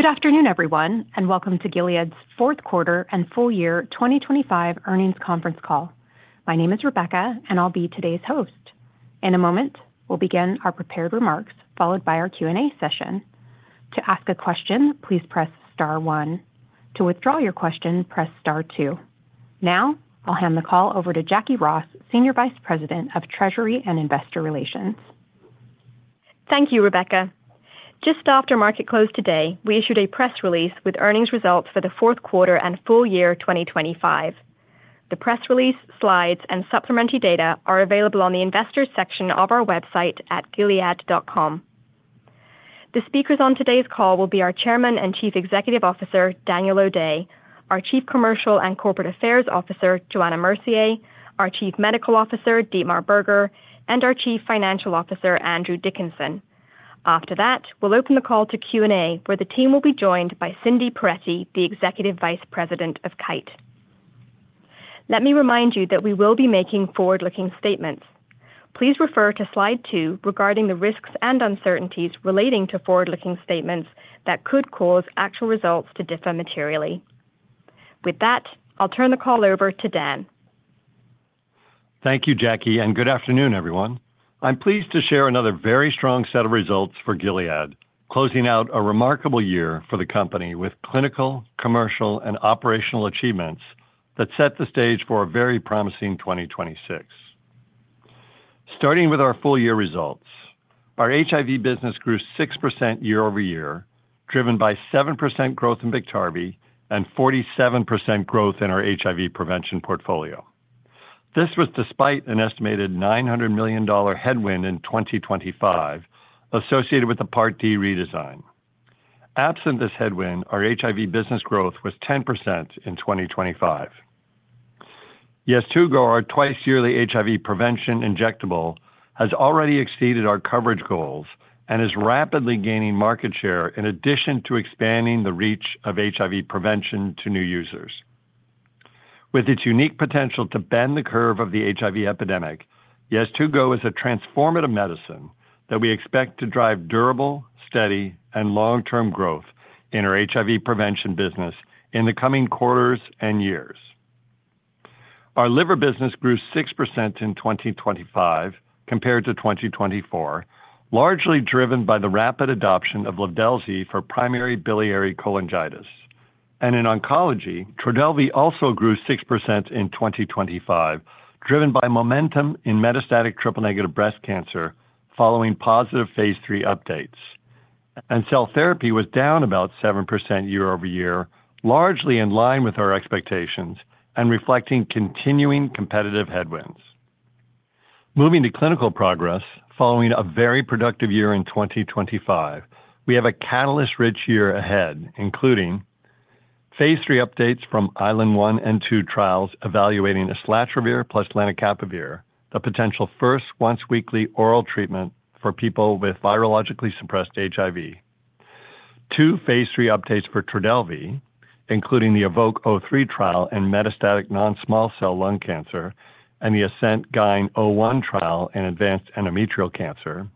Good afternoon, everyone, and welcome to Gilead's fourth quarter and full-year 2025 earnings conference call. My name is Rebecca, and I'll be today's host. In a moment, we'll begin our prepared remarks, followed by our Q&A session. To ask a question, please press star one. To withdraw your question, press star two. Now, I'll hand the call over to Jacquie Ross, Senior Vice President of Treasury and Investor Relations. Thank you, Rebecca. Just after market close today, we issued a press release with earnings results for the fourth quarter and full-year 2025. The press release, slides, and supplementary data are available on the investors section of our website at gilead.com. The speakers on today's call will be our Chairman and Chief Executive Officer, Daniel O'Day, our Chief Commercial and Corporate Affairs Officer, Johanna Mercier, our Chief Medical Officer, Dietmar Berger, and our Chief Financial Officer, Andrew Dickinson. After that, we'll open the call to Q&A, where the team will be joined by Cindy Perettie, the Executive Vice President of Kite. Let me remind you that we will be making forward-looking statements. Please refer to slide two regarding the risks and uncertainties relating to forward-looking statements that could cause actual results to differ materially. With that, I'll turn the call over to Dan. Thank you, Jacquie, and good afternoon, everyone. I'm pleased to share another very strong set of results for Gilead, closing out a remarkable year for the company with clinical, commercial, and operational achievements that set the stage for a very promising 2026. Starting with our full-year results, our HIV business grew 6% year-over-year, driven by 7% growth in Biktarvy and 47% growth in our HIV prevention portfolio. This was despite an estimated $900 million headwind in 2025 associated with the Part D redesign. Absent this headwind, our HIV business growth was 10% in 2025. Sunlenca, our twice-yearly HIV prevention injectable, has already exceeded our coverage goals and is rapidly gaining market share in addition to expanding the reach of HIV prevention to new users. With its unique potential to bend the curve of the HIV epidemic, Yeztugo is a transformative medicine that we expect to drive durable, steady, and long-term growth in our HIV prevention business in the coming quarters and years. Our liver business grew 6% in 2025 compared to 2024, largely driven by the rapid adoption of Livdelzi for primary biliary cholangitis. In oncology, Trodelvy also grew 6% in 2025, driven by momentum in metastatic triple-negative breast cancer following positive phase III updates. Cell therapy was down about 7% year-over-year, largely in line with our expectations and reflecting continuing competitive headwinds. Moving to clinical progress, following a very productive year in 2025, we have a catalyst-rich year ahead, including phase III updates from ISLAND-1 and ISLAND-2 trials evaluating islatravir plus lenacapavir, the potential first once-weekly oral treatment for people with virologically suppressed HIV. Two phase III updates for Trodelvy, including the EVOKE-03 trial in metastatic non-small cell lung cancer and the ASCENT-GYN01 trial in advanced endometrial cancer.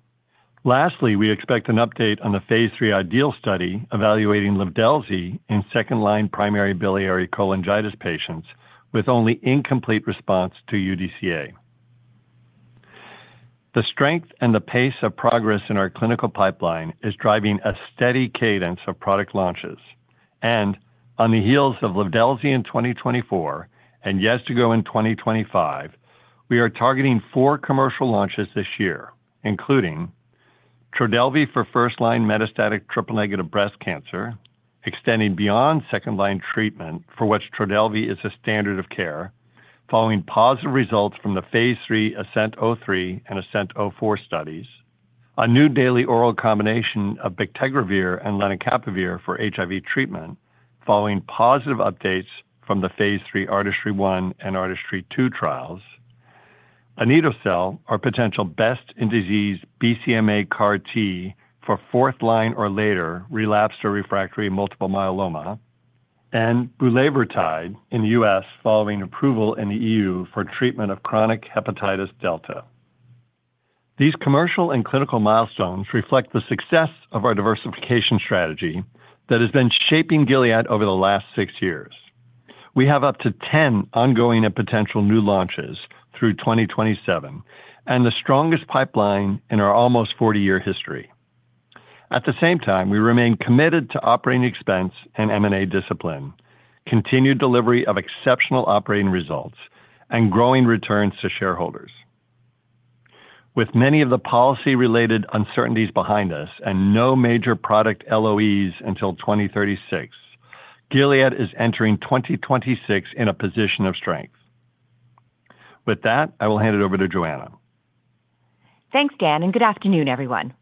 Lastly, we expect an update on the phase III IDEAL study evaluating Livdelzi in second-line primary biliary cholangitis patients with only incomplete response to UDCA. The strength and the pace of progress in our clinical pipeline is driving a steady cadence of product launches. And on the heels of Livdelzi in 2024 and Yeztugo in 2025, we are targeting four commercial launches this year, including Trodelvy for first-line metastatic triple-negative breast cancer, extending beyond second-line treatment, for which Trodelvy is a standard of care, following positive results from the phase III ASCENT-03 and ASCENT-04 studies, a new daily oral combination of Bictegravir and lenacapavir for HIV treatment, following positive updates from the phase III ARTISTRY-1 and ARTISTRY-2 trials, anito-cel, our potential best-in-disease BCMA CAR T for fourth-line or later relapsed or refractory multiple myeloma, and bulevirtide in the U.S., following approval in the EU for treatment of chronic hepatitis delta. These commercial and clinical milestones reflect the success of our diversification strategy that has been shaping Gilead over the last six years. We have up to 10 ongoing and potential new launches through 2027 and the strongest pipeline in our almost 40-year history. At the same time, we remain committed to operating expense and M&A discipline, continued delivery of exceptional operating results, and growing returns to shareholders. With many of the policy-related uncertainties behind us and no major product LOEs until 2036, Gilead is entering 2026 in a position of strength. With that, I will hand it over to Johanna. Thanks, Dan, and good afternoon, everyone.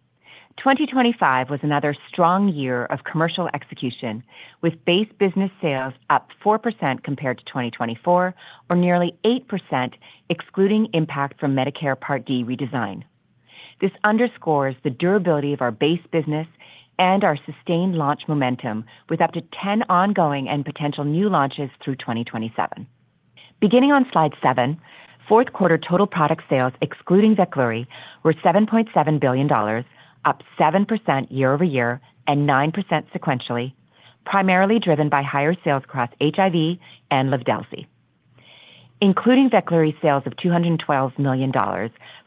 2025 was another strong year of commercial execution, with base business sales up 4% compared to 2024 or nearly 8%, excluding impact from Medicare Part D redesign. This underscores the durability of our base business and our sustained launch momentum, with up to 10 ongoing and potential new launches through 2027. Beginning on slide seven, fourth quarter total product sales excluding Veklury were $7.7 billion up 7% year-over-year and 9% sequentially, primarily driven by higher sales across HIV and Livdelzi. Including Veklury sales of $212 million,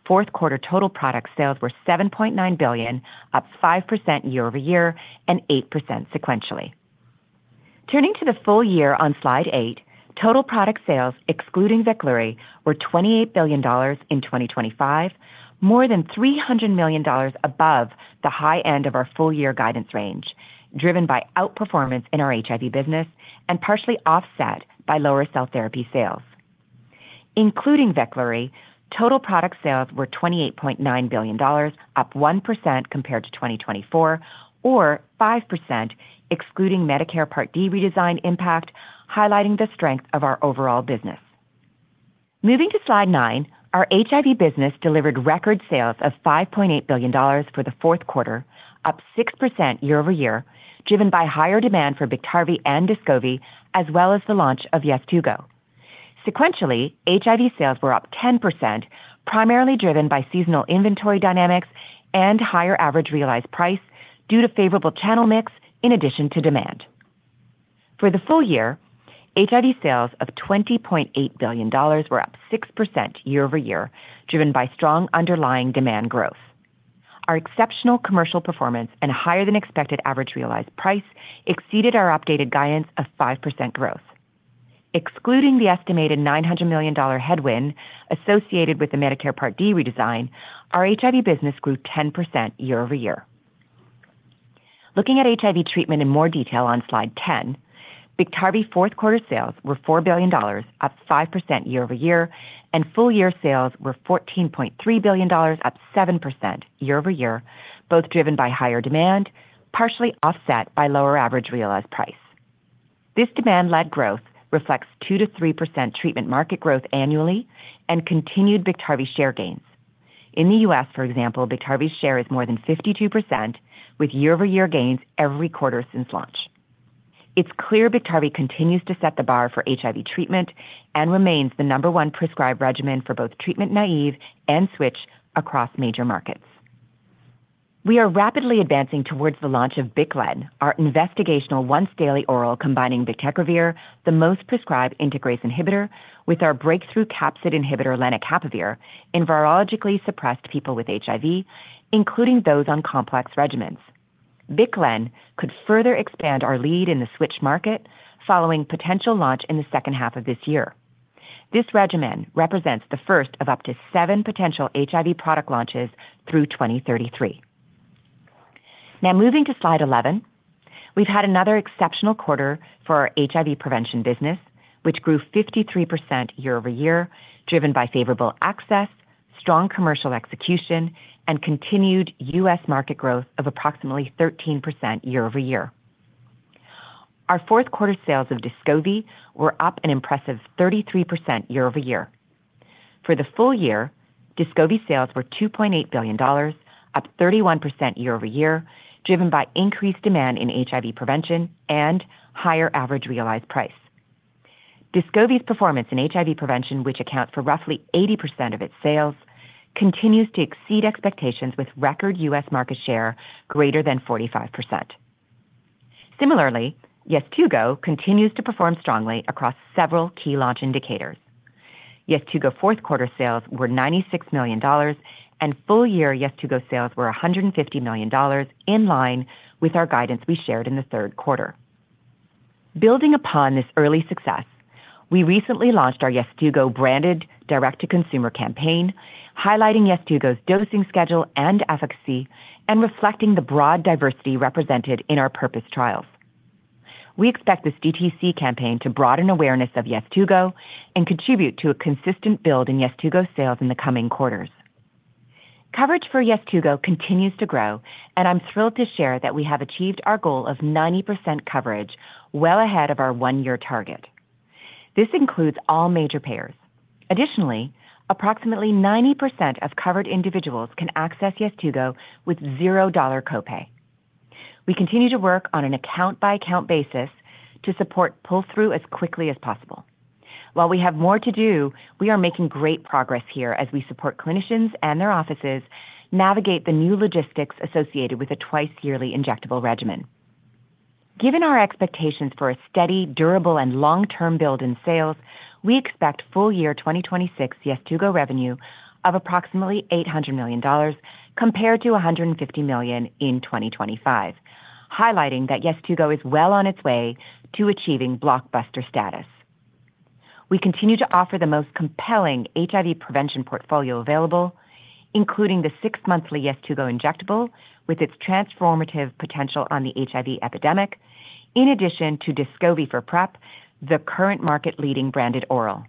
fourth quarter total product sales were $7.9 billion, up 5% year-over-year and 8% sequentially. Turning to the full-year on slide eight, total product sales excluding Veklury were $28 billion in 2025, more than $300 million above the high end of our full-year guidance range, driven by outperformance in our HIV business and partially offset by lower cell therapy sales. Including Veklury, total product sales were $28.9 billion, up 1% compared to 2024 or 5% excluding Medicare Part D redesign impact, highlighting the strength of our overall business. Moving to Slide 9, our HIV business delivered record sales of $5.8 billion for the fourth quarter, up 6% year-over-year, driven by higher demand for Biktarvy and Descovy, as well as the launch of Sunlenca. Sequentially, HIV sales were up 10%, primarily driven by seasonal inventory dynamics and higher average realized price due to favorable channel mix in addition to demand. For the full-year, HIV sales of $20.8 billion were up 6% year-over-year, driven by strong underlying demand growth. Our exceptional commercial performance and higher than expected average realized price exceeded our updated guidance of 5% growth. Excluding the estimated $900 million headwind associated with the Medicare Part D redesign, our HIV business grew 10% year-over-year. Looking at HIV treatment in more detail on Slide 10, Biktarvy fourth quarter sales were $4 billion, up 5% year-over-year, and full-year sales were $14.3 billion, up 7% year-over-year, both driven by higher demand, partially offset by lower average realized price. This demand-led growth reflects 2%-3% treatment market growth annually and continued Biktarvy share gains. In the U.S., for example, Biktarvy's share is more than 52%, with year-over-year gains every quarter since launch. It's clear Biktarvy continues to set the bar for HIV treatment and remains the number one prescribed regimen for both treatment-naive and switch across major markets. We are rapidly advancing towards the launch of Biclen, our investigational once daily oral, combining bictegravir, the most prescribed integrase inhibitor, with our breakthrough capsid inhibitor, lenacapavir, in virologically suppressed people with HIV, including those on complex regimens. Biclen could further expand our lead in the switch market following potential launch in the second half of this year. This regimen represents the first of up to seven potential HIV product launches through 2033. Now, moving to slide 11, we've had another exceptional quarter for our HIV prevention business, which grew 53% year-over-year, driven by favorable access, strong commercial execution, and continued U.S. market growth of approximately 13% year-over-year. Our fourth quarter sales of Descovy were up an impressive 33% year-over-year. For the full-year, Descovy sales were $2.8 billion, up 31% year-over-year, driven by increased demand in HIV prevention and higher average realized price. Descovy's performance in HIV prevention, which accounts for roughly 80% of its sales, continues to exceed expectations, with record U.S. market share greater than 45%. Similarly, Yeztugo continues to perform strongly across several key launch indicators. Yeztugo fourth quarter sales were $96 million, and full-year Yeztugo sales were $150 million, in line with our guidance we shared in the third quarter. Building upon this early success, we recently launched our Sunlenca branded direct-to-consumer campaign, highlighting Sunlenca's dosing schedule and efficacy and reflecting the broad diversity represented in our PURPOSE trials. We expect this DTC campaign to broaden awareness of Sunlenca and contribute to a consistent build in Sunlenca sales in the coming quarters. Coverage for Sunlenca continues to grow, and I'm thrilled to share that we have achieved our goal of 90% coverage well ahead of our one-year target. This includes all major payers. Additionally, approximately 90% of covered individuals can access Sunlenca with $0 copay. We continue to work on an account-by-account basis to support pull-through as quickly as possible. While we have more to do, we are making great progress here as we support clinicians and their offices navigate the new logistics associated with a twice yearly injectable regimen. Given our expectations for a steady, durable and long-term build in sales, we expect full-year 2026 Sunlenca revenue of approximately $800 million compared to $150 million in 2025, highlighting that Sunlenca is well on its way to achieving blockbuster status. We continue to offer the most compelling HIV prevention portfolio available, including the six-monthly Sunlenca injectable, with its transformative potential on the HIV epidemic, in addition to Descovy for PrEP, the current market-leading branded oral.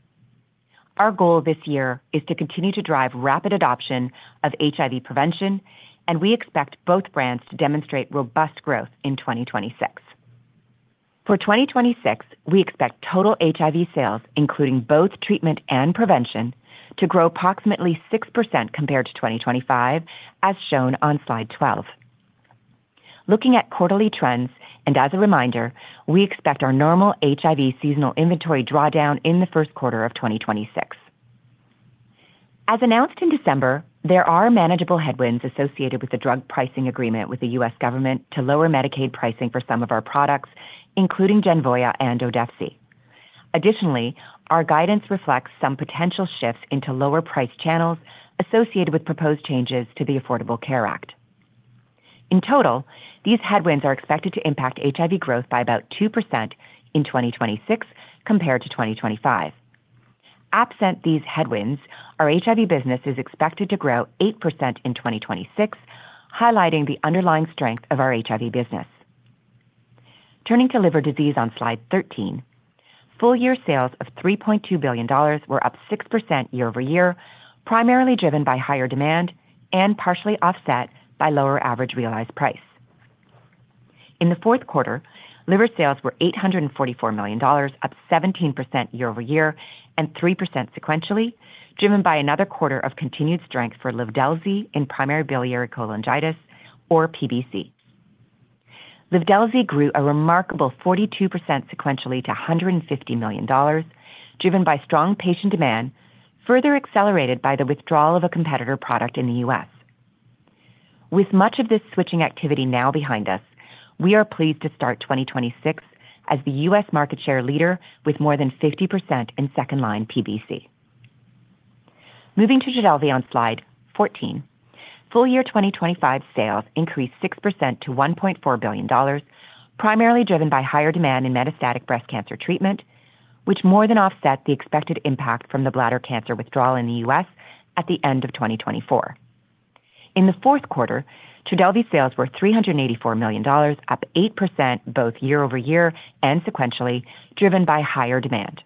Our goal this year is to continue to drive rapid adoption of HIV prevention, and we expect both brands to demonstrate robust growth in 2026. For 2026, we expect total HIV sales, including both treatment and prevention, to grow approximately 6% compared to 2025, as shown on Slide 12. Looking at quarterly trends, and as a reminder, we expect our normal HIV seasonal inventory drawdown in the first quarter of 2026. As announced in December, there are manageable headwinds associated with the drug pricing agreement with the U.S. government to lower Medicaid pricing for some of our products, including Genvoya and Odefsey. Additionally, our guidance reflects some potential shifts into lower price channels associated with proposed changes to the Affordable Care Act. In total, these headwinds are expected to impact HIV growth by about 2% in 2026 compared to 2025. Absent these headwinds, our HIV business is expected to grow 8% in 2026, highlighting the underlying strength of our HIV business. Turning to liver disease on slide 13, full-year sales of $3.2 billion were up 6% year-over-year, primarily driven by higher demand and partially offset by lower average realized price. In the fourth quarter, liver sales were $844 million, up 17% year-over-year and 3% sequentially, driven by another quarter of continued strength for Livdelzi in primary biliary cholangitis or PBC. Livdelzi grew a remarkable 42% sequentially to $150 million, driven by strong patient demand, further accelerated by the withdrawal of a competitor product in the U.S. With much of this switching activity now behind us, we are pleased to start 2026 as the U.S. market share leader with more than 50% in second-line PBC. Moving to Trodelvy on slide 14, full-year 2025 sales increased 6% to $1.4 billion, primarily driven by higher demand in metastatic breast cancer treatment, which more than offset the expected impact from the bladder cancer withdrawal in the U.S. at the end of 2024. In the fourth quarter, Trodelvy sales were $384 million, up 8% both year-over-year and sequentially, driven by higher demand.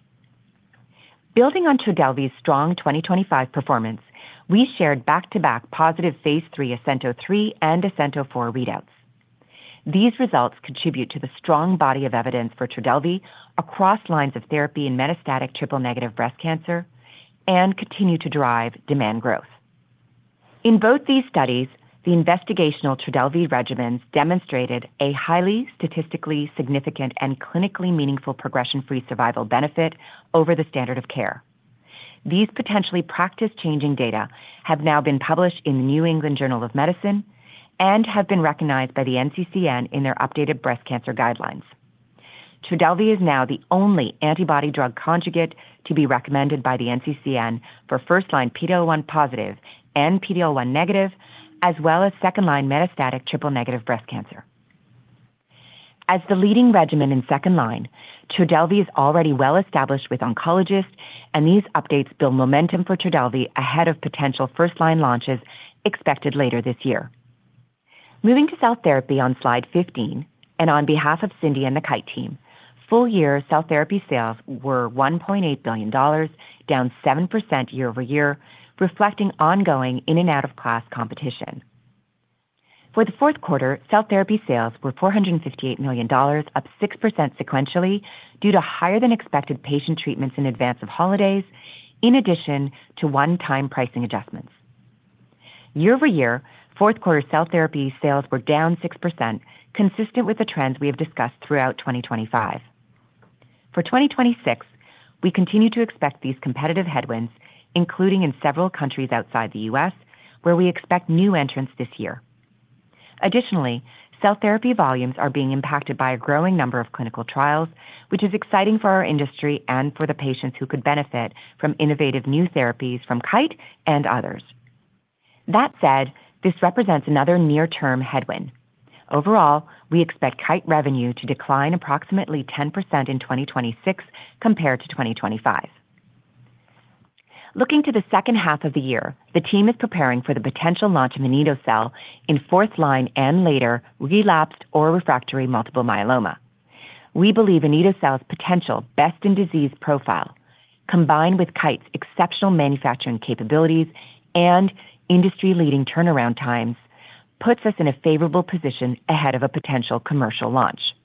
Building on Trodelvy's strong 2025 performance, we shared back-to-back positive phase III ASCENT-03 and ASCENT-04 readouts. These results contribute to the strong body of evidence for Trodelvy across lines of therapy in metastatic triple-negative breast cancer and continue to drive demand growth. In both these studies, the investigational Trodelvy regimens demonstrated a highly statistically significant and clinically meaningful progression-free survival benefit over the standard of care. These potentially practice-changing data have now been published in the New England Journal of Medicine and have been recognized by the NCCN in their updated breast cancer guidelines. Trodelvy is now the only antibody drug conjugate to be recommended by the NCCN for first-line PD-L1 positive and PD-L1 negative, as well as second-line metastatic triple-negative breast cancer. As the leading regimen in second-line, Trodelvy is already well established with oncologists, and these updates build momentum for Trodelvy ahead of potential first-line launches expected later this year. Moving to cell therapy on slide 15, and on behalf of Cindy and the Kite team, full-year cell therapy sales were $1.8 billion, down 7% year-over-year, reflecting ongoing in- and out-of-class competition. For the fourth quarter, cell therapy sales were $458 million, up 6% sequentially due to higher-than-expected patient treatments in advance of holidays, in addition to one-time pricing adjustments. Year over year, fourth quarter cell therapy sales were down 6%, consistent with the trends we have discussed throughout 2025. For 2026, we continue to expect these competitive headwinds, including in several countries outside the U.S., where we expect new entrants this year. Additionally, cell therapy volumes are being impacted by a growing number of clinical trials, which is exciting for our industry and for the patients who could benefit from innovative new therapies from Kite and others. That said, this represents another near-term headwind. Overall, we expect Kite revenue to decline approximately 10% in 2026 compared to 2025. Looking to the second half of the year, the team is preparing for the potential launch of anito-cel in fourth line and later relapsed or refractory multiple myeloma. We believe anito-cel's potential best-in-disease profile, combined with Kite's exceptional manufacturing capabilities and industry-leading turnaround times, puts us in a favorable position ahead of a potential commercial launch.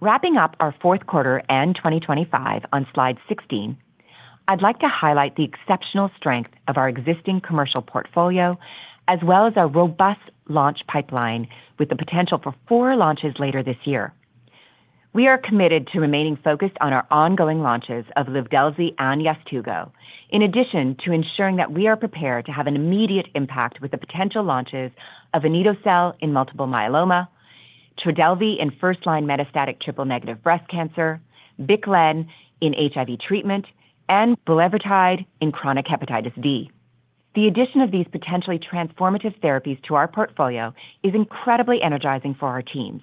Wrapping up our fourth quarter and 2025 on slide 16, I'd like to highlight the exceptional strength of our existing commercial portfolio, as well as our robust launch pipeline with the potential for four launches later this year. We are committed to remaining focused on our ongoing launches of Livdelzi and Sunlenca, in addition to ensuring that we are prepared to have an immediate impact with the potential launches of anito-cel in multiple myeloma, Trodelvy in first-line metastatic triple-negative breast cancer, Biclen in HIV treatment, and Bulevirtide in chronic hepatitis D. The addition of these potentially transformative therapies to our portfolio is incredibly energizing for our teams.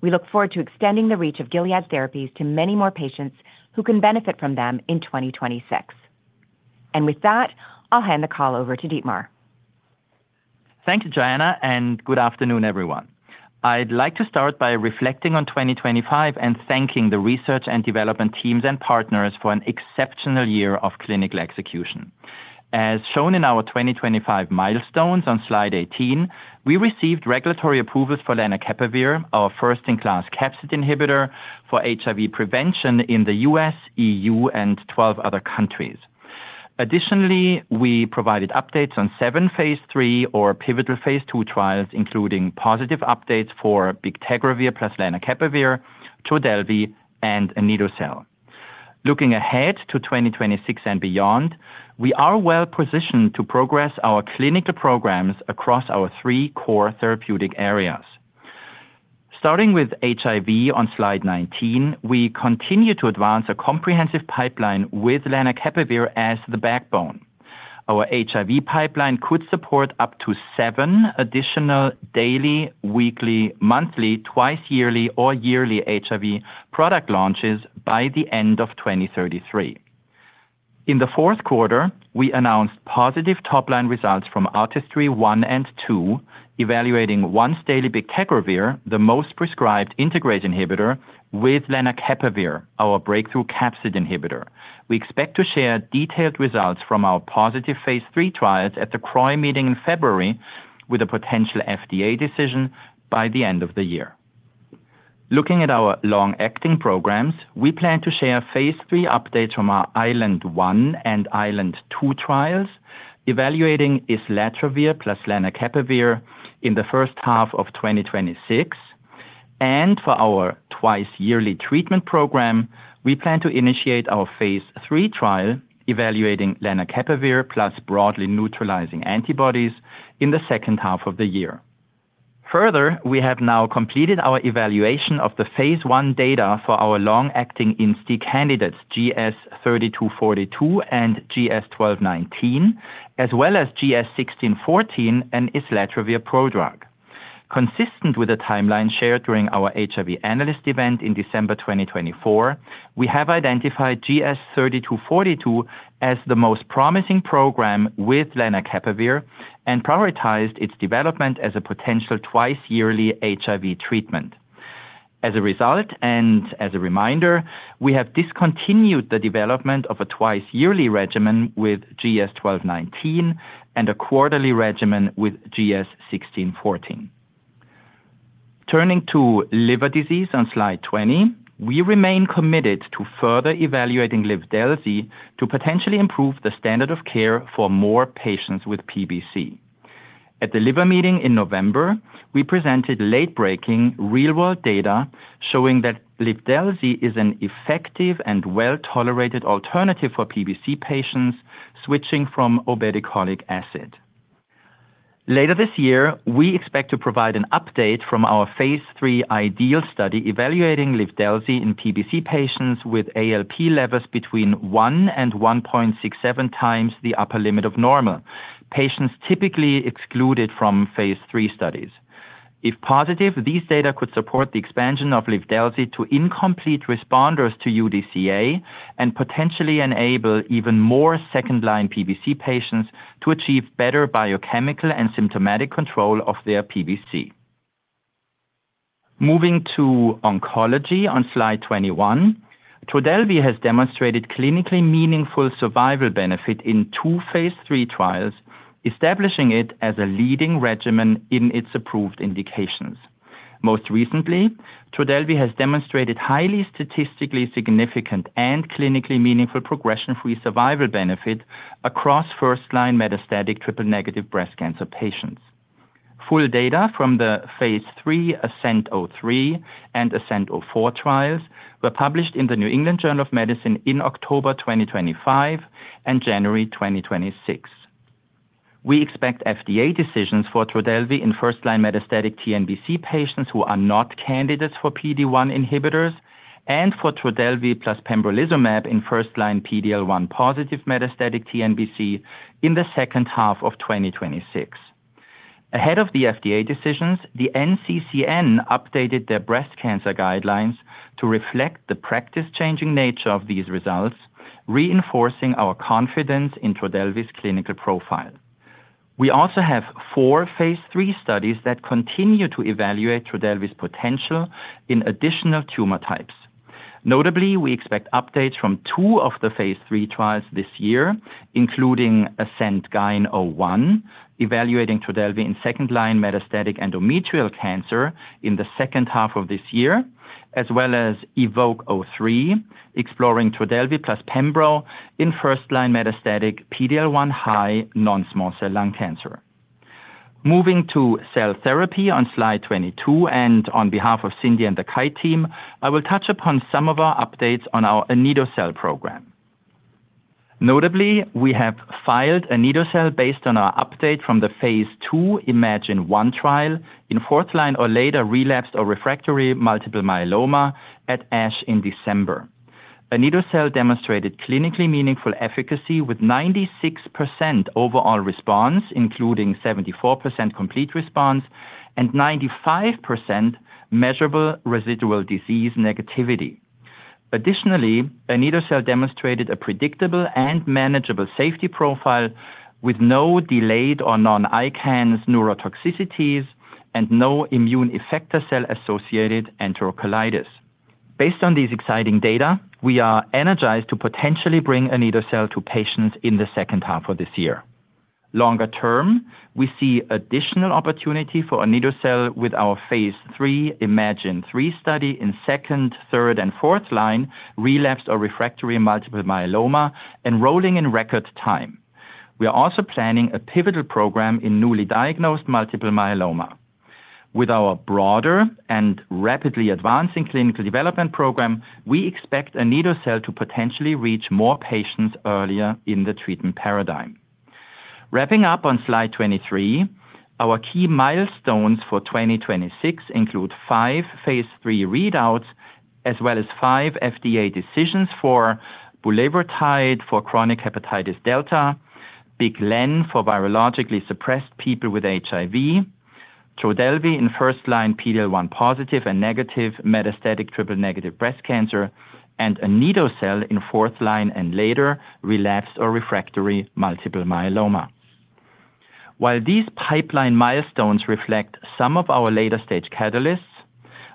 We look forward to extending the reach of Gilead's therapies to many more patients who can benefit from them in 2026. With that, I'll hand the call over to Dietmar. Thank you, Joanna, and good afternoon, everyone. I'd like to start by reflecting on 2025 and thanking the research and development teams and partners for an exceptional year of clinical execution. As shown in our 2025 milestones on slide 18, we received regulatory approvals for lenacapavir, our first-in-class capsid inhibitor for HIV prevention in the U.S., EU, and 12 other countries. Additionally, we provided updates on seven phase III or pivotal phase II trials, including positive updates for Bictegravir plus lenacapavir, Trodelvy, and anito-cel. Looking ahead to 2026 and beyond, we are well-positioned to progress our clinical programs across our three core therapeutic areas. Starting with HIV on slide 19, we continue to advance a comprehensive pipeline with lenacapavir as the backbone. Our HIV pipeline could support up to seven additional daily, weekly, monthly, twice yearly, or yearly HIV product launches by the end of 2033. In the fourth quarter, we announced positive top-line results from ARTISTRY-1 and ARTISTRY-2, evaluating once-daily Bictegravir, the most prescribed integrase inhibitor, with lenacapavir, our breakthrough capsid inhibitor. We expect to share detailed results from our positive phase III trials at the CROI meeting in February with a potential FDA decision by the end of the year. Looking at our long-acting programs, we plan to share phase III updates from our ISLAND-1 and ISLAND-2 trials, evaluating Islatravir plus lenacapavir in the first half of 2026, and for our twice-yearly treatment program, we plan to initiate our phase III trial evaluating lenacapavir plus broadly neutralizing antibodies in the second half of the year. Further, we have now completed our evaluation of the phase I data for our long-acting INSTI candidates, GS-3242 and GS-1219, as well as GS-1614 and islatravir prodrug. Consistent with the timeline shared during our HIV analyst event in December 2024, we have identified GS-3242 as the most promising program with lenacapavir and prioritized its development as a potential twice-yearly HIV treatment. As a result, and as a reminder, we have discontinued the development of a twice-yearly regimen with GS-1219 and a quarterly regimen with GS-1614. Turning to liver disease on slide 20, we remain committed to further evaluating Livdelzi to potentially improve the standard of care for more patients with PBC. At the liver meeting in November, we presented late-breaking real-world data showing that Livdelzi is an effective and well-tolerated alternative for PBC patients switching from Obeticholic Acid. Later this year, we expect to provide an update from our phase III IDEAL study evaluating Livdelzi in PBC patients with ALP levels between 1x and 1.67x the upper limit of normal, patients typically excluded from phase III studies. If positive, these data could support the expansion of Livdelzi to incomplete responders to UDCA and potentially enable even more second-line PBC patients to achieve better biochemical and symptomatic control of their PBC. Moving to oncology on slide 21, Trodelvy has demonstrated clinically meaningful survival benefit in two phase III trials, establishing it as a leading regimen in its approved indications. Most recently, Trodelvy has demonstrated highly statistically significant and clinically meaningful progression-free survival benefit across first-line metastatic triple-negative breast cancer patients. Full data from the phase III ASCENT-03 and ASCENT-04 trials were published in the New England Journal of Medicine in October 2025 and January 2026. We expect FDA decisions for Trodelvy in first-line metastatic TNBC patients who are not candidates for PD-1 inhibitors and for Trodelvy plus pembrolizumab in first-line PD-L1 positive metastatic TNBC in the second half of 2026. Ahead of the FDA decisions, the NCCN updated their breast cancer guidelines to reflect the practice-changing nature of these results, reinforcing our confidence in Trodelvy's clinical profile. We also have four phase III studies that continue to evaluate Trodelvy's potential in additional tumor types. Notably, we expect updates from two of the phase III trials this year, including ASCENT-GYN01, evaluating Trodelvy in second-line metastatic endometrial cancer in the second half of this year, as well as EVOKE-03, exploring Trodelvy plus pembro in first-line metastatic PD-L1 high non-small cell lung cancer. Moving to cell therapy on slide 22, and on behalf of Cindy and the Kite team, I will touch upon some of our updates on our anito-cel program. Notably, we have filed anito-cel based on our update from the phase II IMAGINE-1 trial in fourth line or later relapsed or refractory multiple myeloma at ASH in December. Anito-cel demonstrated clinically meaningful efficacy with 96% overall response, including 74% complete response and 95% measurable residual disease negativity. Additionally, anito-cel demonstrated a predictable and manageable safety profile with no delayed or non-ICANS neurotoxicities and no immune effector cell-associated enterocolitis. Based on these exciting data, we are energized to potentially bring anito-cel to patients in the second half of this year. Longer term, we see additional opportunity for anito-cel with our phase III IMAGINE-3 study in second, third, and fourth line relapsed or refractory multiple myeloma, enrolling in record time. We are also planning a pivotal program in newly diagnosed multiple myeloma. With our broader and rapidly advancing clinical development program, we expect anito-cel to potentially reach more patients earlier in the treatment paradigm. Wrapping up on slide 23, our key milestones for 2026 include five phase III readouts, as well as five FDA decisions for bulevirtide for chronic hepatitis delta, Biclen for virologically suppressed people with HIV, Trodelvy in first-line PD-L1 positive and negative metastatic triple-negative breast cancer, and anito-cel in fourth-line and later relapsed or refractory multiple myeloma. While these pipeline milestones reflect some of our later-stage catalysts,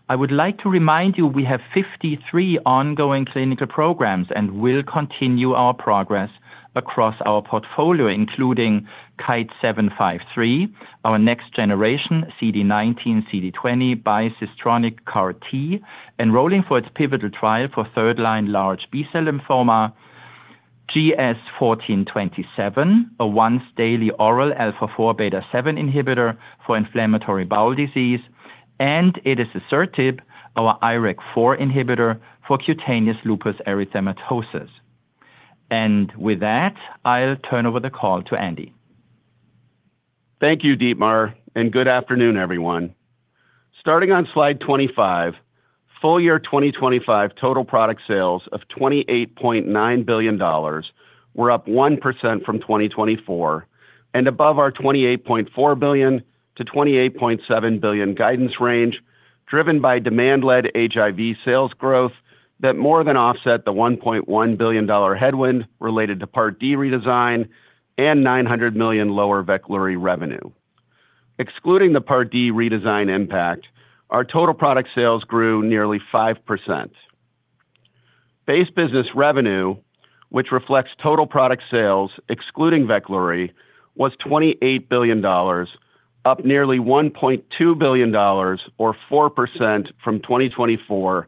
I would like to remind you, we have 53 ongoing clinical programs and will continue our progress across our portfolio, including KITE-753, our next generation CD19/CD20 bicistronic CAR T, enrolling for its pivotal trial for third-line large B-cell lymphoma, GS-1427, a once daily oral alpha 4/beta 7 inhibitor for inflammatory bowel disease, and GS-1811, our ITK inhibitor for cutaneous lupus erythematosus. And with that, I'll turn over the call to Andy. Thank you, Dietmar, and good afternoon, everyone. Starting on slide 25, full-year 2025 total product sales of $28.9 billion were up 1% from 2024 and above our $28.4 billion-$28.7 billion guidance range, driven by demand-led HIV sales growth that more than offset the $1.1 billion headwind related to Part D redesign and $900 million lower Veklury revenue. Excluding the Part D redesign impact, our total product sales grew nearly 5%. Base business revenue, which reflects total product sales excluding Veklury, was $28 billion, up nearly $1.2 billion or 4% from 2024,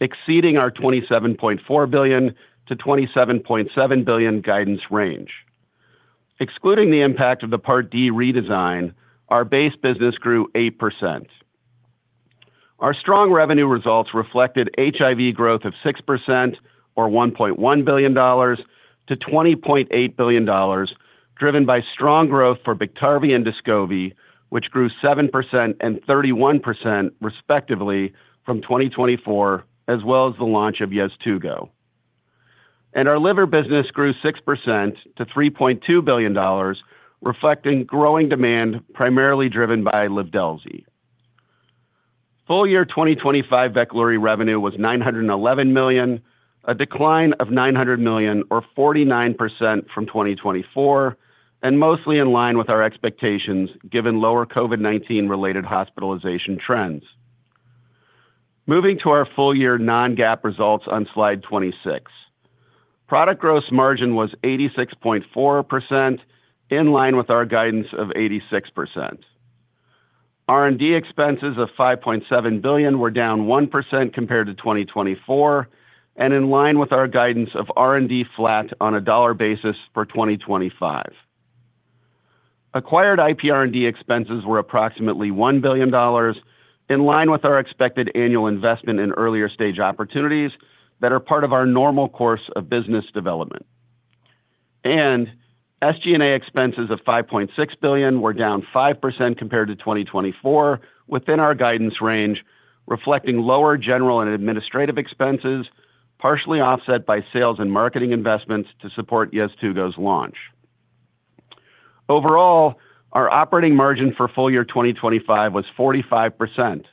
exceeding our $27.4 billion-$27.7 billion guidance range. Excluding the impact of the Part D redesign, our base business grew 8%. Our strong revenue results reflected HIV growth of 6% or $1.1 billion to $20.8 billion, driven by strong growth for Biktarvy and Descovy, which grew 7% and 31% respectively from 2024, as well as the launch of Yeztugo. Our liver business grew 6% to $3.2 billion, reflecting growing demand, primarily driven by Livdelzi. full-year 2025 Veklury revenue was $911 million, a decline of $900 million or 49% from 2024, and mostly in line with our expectations, given lower COVID-19 related hospitalization trends. Moving to our full-year non-GAAP results on slide 26. Product gross margin was 86.4%, in line with our guidance of 86%. R&D expenses of $5.7 billion were down 1% compared to 2024 and in line with our guidance of R&D flat on a dollar basis for 2025. Acquired IP R&D expenses were approximately $1 billion, in line with our expected annual investment in earlier stage opportunities that are part of our normal course of business development. SG&A expenses of $5.6 billion were down 5% compared to 2024, within our guidance range, reflecting lower general and administrative expenses, partially offset by sales and marketing investments to support Yeztugo's launch. Overall, our operating margin for full-year 2025 was 45%.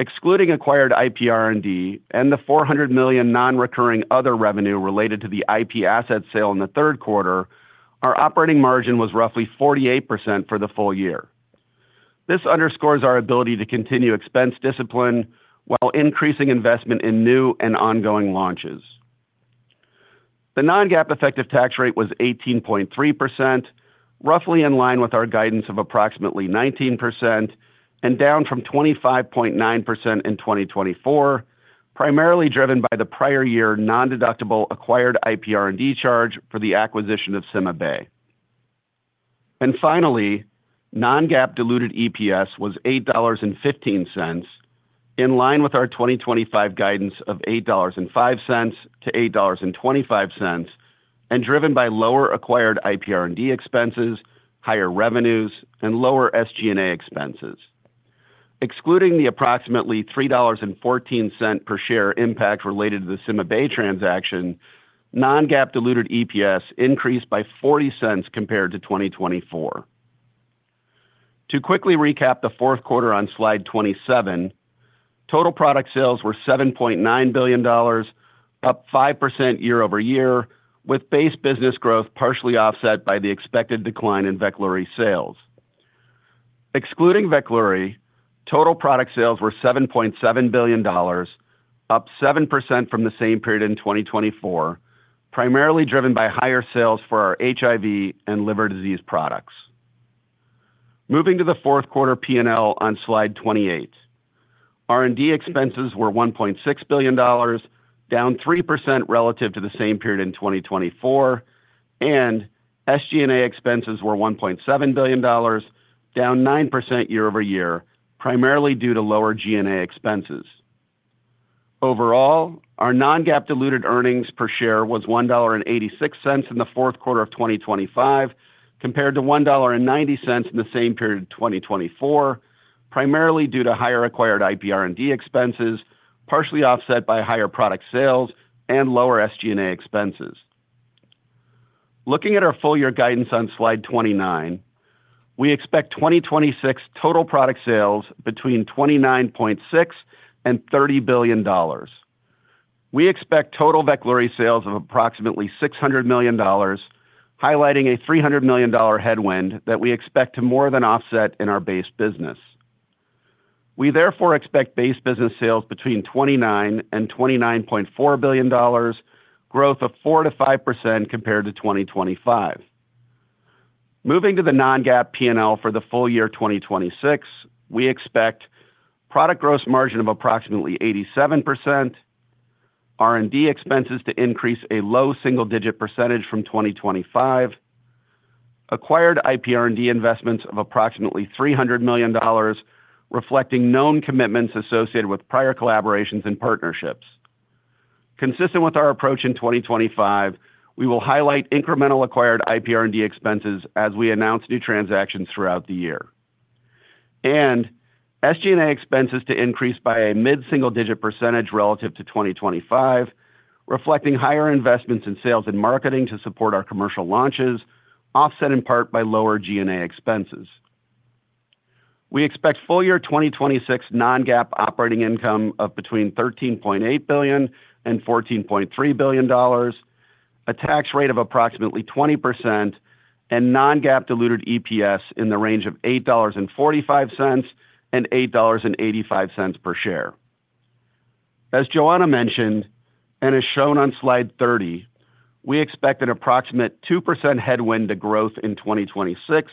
Excluding acquired IP R&D and the $400 million non-recurring other revenue related to the IP asset sale in the third quarter, our operating margin was roughly 48% for the full-year. This underscores our ability to continue expense discipline while increasing investment in new and ongoing launches. The non-GAAP effective tax rate was 18.3%, roughly in line with our guidance of approximately 19% and down from 25.9% in 2024, primarily driven by the prior year non-deductible acquired IP R&D charge for the acquisition of CymaBay. And finally, non-GAAP diluted EPS was $8.15, in line with our 2025 guidance of $8.05-$8.25, and driven by lower acquired IP R&D expenses, higher revenues, and lower SG&A expenses. Excluding the approximately $3.14 per share impact related to the CymaBay transaction, non-GAAP diluted EPS increased by $0.40 compared to 2024. To quickly recap the fourth quarter on slide 27, total product sales were $7.9 billion, up 5% year-over-year, with base business growth partially offset by the expected decline in Veklury sales... excluding Veklury, total product sales were $7.7 billion, up 7% from the same period in 2024, primarily driven by higher sales for our HIV and liver disease products. Moving to the fourth quarter P&L on slide 28. R&D expenses were $1.6 billion, down 3% relative to the same period in 2024, and SG&A expenses were $1.7 billion, down 9% year-over-year, primarily due to lower G&A expenses. Overall, our non-GAAP diluted earnings per share was $1.86 in the fourth quarter of 2025, compared to $1.90 in the same period in 2024, primarily due to higher acquired IP R&D expenses, partially offset by higher product sales and lower SG&A expenses. Looking at our full-year guidance on slide 29, we expect 2026 total product sales between $29.6 billion-$30 billion. We expect total Veklury sales of approximately $600 million, highlighting a $300 million headwind that we expect to more than offset in our base business. We therefore expect base business sales between $29 billion-$29.4 billion, growth of 4%-5% compared to 2025. Moving to the non-GAAP P&L for the full-year 2026, we expect product gross margin of approximately 87%, R&D expenses to increase a low single-digit percentage from 2025, acquired IP R&D investments of approximately $300 million, reflecting known commitments associated with prior collaborations and partnerships. Consistent with our approach in 2025, we will highlight incremental acquired IP R&D expenses as we announce new transactions throughout the year. SG&A expenses to increase by a mid-single-digit percentage relative to 2025, reflecting higher investments in sales and marketing to support our commercial launches, offset in part by lower G&A expenses. We expect full-year 2026 non-GAAP operating income of between $13.8 billion and $14.3 billion, a tax rate of approximately 20% and non-GAAP diluted EPS in the range of $8.45 and $8.85 per share. As Johanna mentioned, and as shown on slide 30, we expect an approximate 2% headwind to growth in 2026,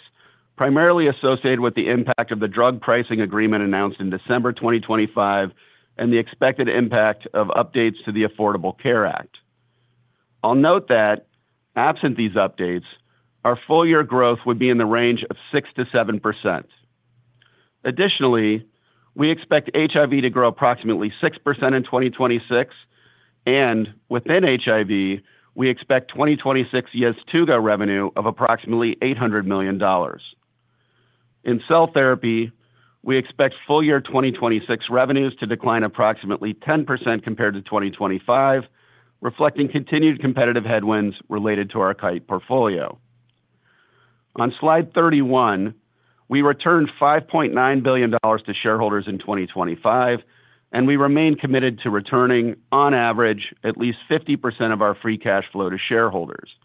primarily associated with the impact of the drug pricing agreement announced in December 2025 and the expected impact of updates to the Affordable Care Act. I'll note that absent these updates, our full-year growth would be in the range of 6%-7%. Additionally, we expect HIV to grow approximately 6% in 2026, and within HIV, we expect 2026 Yeztugo revenue of approximately $800 million. In cell therapy, we expect full-year 2026 revenues to decline approximately 10% compared to 2025, reflecting continued competitive headwinds related to our Kite portfolio. On slide 31, we returned $5.9 billion to shareholders in 2025, and we remain committed to returning, on average, at least 50% of our free cash flow to shareholders.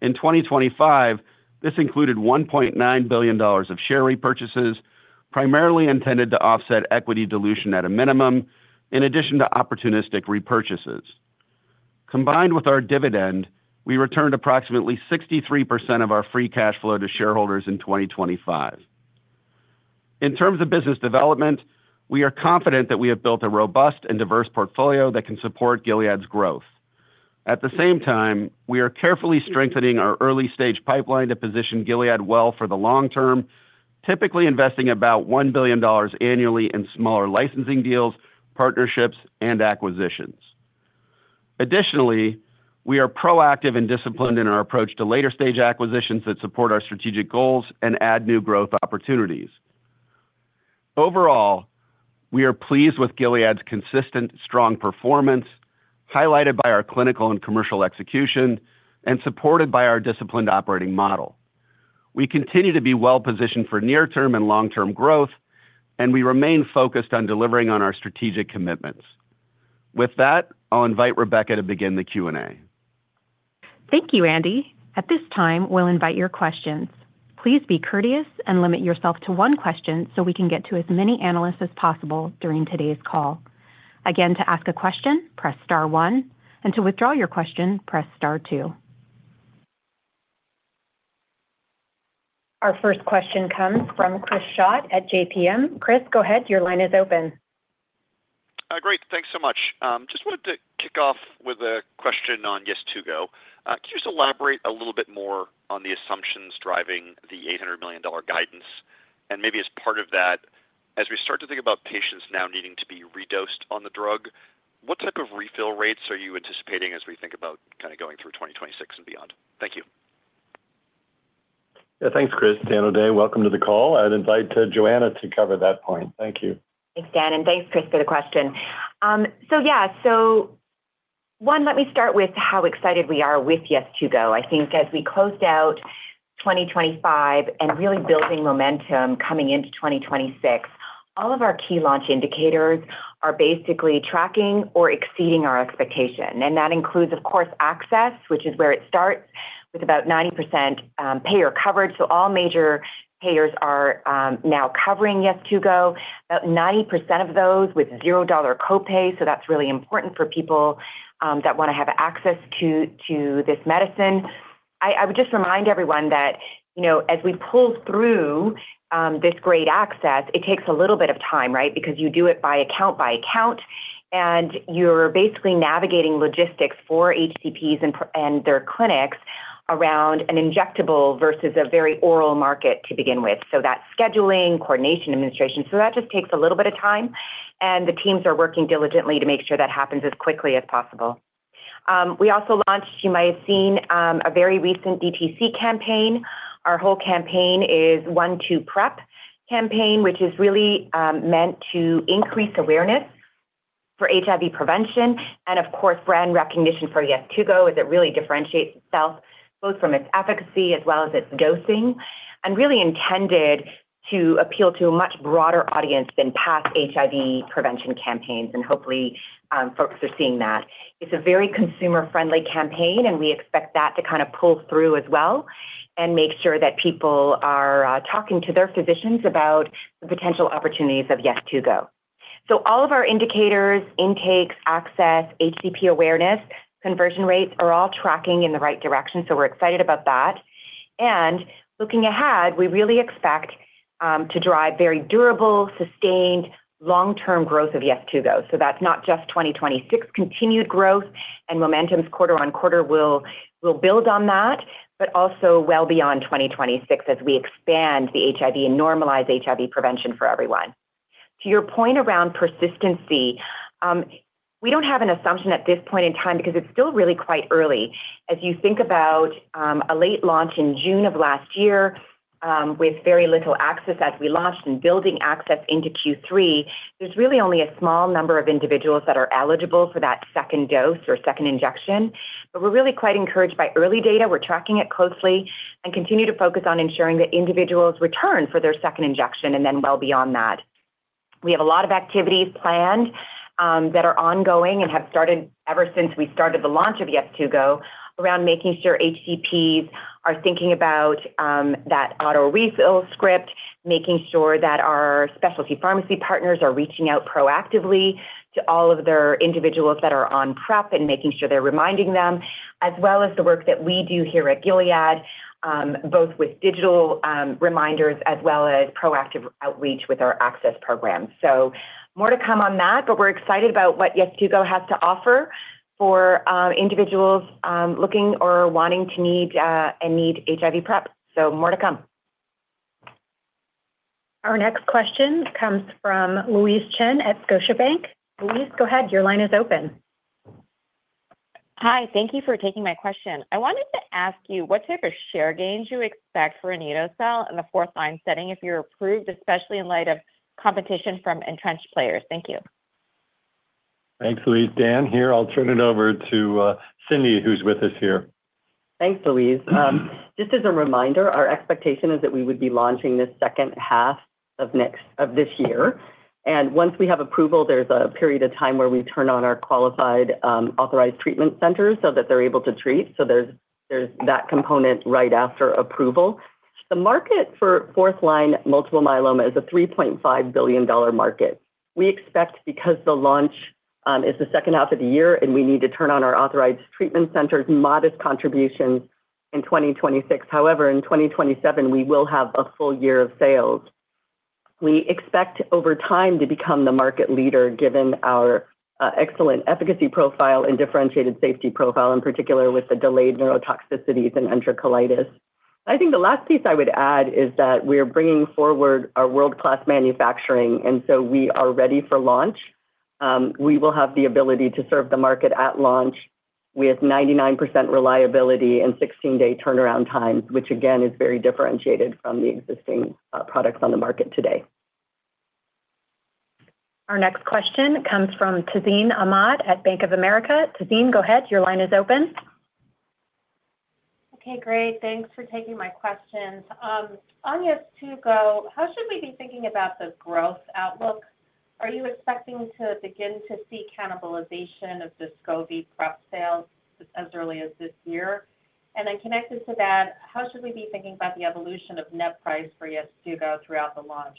In 2025, this included $1.9 billion of share repurchases, primarily intended to offset equity dilution at a minimum, in addition to opportunistic repurchases. Combined with our dividend, we returned approximately 63% of our free cash flow to shareholders in 2025. In terms of business development, we are confident that we have built a robust and diverse portfolio that can support Gilead's growth. At the same time, we are carefully strengthening our early-stage pipeline to position Gilead well for the long term, typically investing about $1 billion annually in smaller licensing deals, partnerships, and acquisitions. Additionally, we are proactive and disciplined in our approach to later-stage acquisitions that support our strategic goals and add new growth opportunities. Overall, we are pleased with Gilead's consistent strong performance, highlighted by our clinical and commercial execution and supported by our disciplined operating model. We continue to be well-positioned for near-term and long-term growth, and we remain focused on delivering on our strategic commitments. With that, I'll invite Rebecca to begin the Q&A. Thank you, Andy. At this time, we'll invite your questions. Please be courteous and limit yourself to one question so we can get to as many analysts as possible during today's call. Again, to ask a question, press star one, and to withdraw your question, press star two. Our first question comes from Chris Schott at JPMorgan. Chris, go ahead. Your line is open. Great. Thanks so much. Just wanted to kick off with a question on Yeztugo. Can you just elaborate a little bit more on the assumptions driving the $800 million guidance? And maybe as part of that, as we start to think about patients now needing to be redosed on the drug, what type of refill rates are you anticipating as we think about kinda going through 2026 and beyond? Thank you. Yeah, thanks, Chris. Dan O'Day, welcome to the call. I'd invite Johanna to cover that point. Thank you. Thanks, Dan, and thanks, Chris, for the question. So yeah, so one, let me start with how excited we are with Yeztugo. I think as we closed out 2025 and really building momentum coming into 2026, all of our key launch indicators are basically tracking or exceeding our expectation, and that includes, of course, access, which is where it starts, with about 90%, payer coverage. So all major payers are now covering Yeztugo, about 90% of those with $0 copay. So that's really important for people that want to have access to this medicine. I would just remind everyone that, you know, as we pull through this great access, it takes a little bit of time, right? Because you do it by account, by account, and you're basically navigating logistics for HCPs and their clinics around an injectable versus a very oral market to begin with. So that's scheduling, coordination, administration. So that just takes a little bit of time, and the teams are working diligently to make sure that happens as quickly as possible. We also launched, you may have seen, a very recent DTC campaign. Our whole campaign is one to two PrEP campaign, which is really meant to increase awareness for HIV prevention. And of course, brand recognition for Yeztugo, as it really differentiates itself, both from its efficacy as well as its dosing, and really intended to appeal to a much broader audience than past HIV prevention campaigns. And hopefully, folks are seeing that. It's a very consumer-friendly campaign, and we expect that to kind of pull through as well and make sure that people are talking to their physicians about the potential opportunities of Yeztugo. So all of our indicators, intakes, access, HCP awareness, conversion rates, are all tracking in the right direction, so we're excited about that. And looking ahead, we really expect to drive very durable, sustained, long-term growth of Yeztugo. So that's not just 2026 continued growth and momentum quarter on quarter we'll build on that, but also well beyond 2026 as we expand the HIV and normalize HIV prevention for everyone. To your point around persistency, we don't have an assumption at this point in time because it's still really quite early. As you think about a late launch in June of last year, with very little access as we launched and building access into Q3, there's really only a small number of individuals that are eligible for that second dose or second injection. But we're really quite encouraged by early data. We're tracking it closely and continue to focus on ensuring that individuals return for their second injection, and then well beyond that. We have a lot of activities planned, that are ongoing and have started ever since we started the launch of Sunlenca, around making sure HCPs are thinking about that auto refill script, making sure that our specialty pharmacy partners are reaching out proactively to all of their individuals that are on PrEP, and making sure they're reminding them, as well as the work that we do here at Gilead, both with digital reminders as well as proactive outreach with our access programs. So more to come on that, but we're excited about what Sunlenca has to offer for individuals looking or wanting to need, and need HIV PrEP. So more to come. Our next question comes from Louise Chen at Scotiabank. Louise, go ahead. Your line is open. Hi, thank you for taking my question. I wanted to ask you what type of share gains you expect for anito-cel in the fourth-line setting if you're approved, especially in light of competition from entrenched players? Thank you. Thanks, Louise. Dan here. I'll turn it over to Cindy, who's with us here. Thanks, Louise. Just as a reminder, our expectation is that we would be launching this second half of this year. Once we have approval, there's a period of time where we turn on our qualified authorized treatment centers so that they're able to treat. So there's that component right after approval. The market for fourth line multiple myeloma is a $3.5 billion market. We expect, because the launch is the second half of the year and we need to turn on our authorized treatment centers, modest contributions in 2026. However, in 2027, we will have a full-year of sales. We expect over time to become the market leader, given our excellent efficacy profile and differentiated safety profile, in particular with the delayed neurotoxicities and enterocolitis. I think the last piece I would add is that we are bringing forward our world-class manufacturing, and so we are ready for launch. We will have the ability to serve the market at launch with 99% reliability and 16-day turnaround times, which again, is very differentiated from the existing, products on the market today. Our next question comes from Tazeen Ahmad at Bank of America. Tazeen, go ahead. Your line is open. Okay, great. Thanks for taking my questions. On Yeztugo, how should we be thinking about the growth outlook? Are you expecting to begin to see cannibalization of Descovy PrEP sales as early as this year? And then connected to that, how should we be thinking about the evolution of net price for Yeztugo throughout the launch?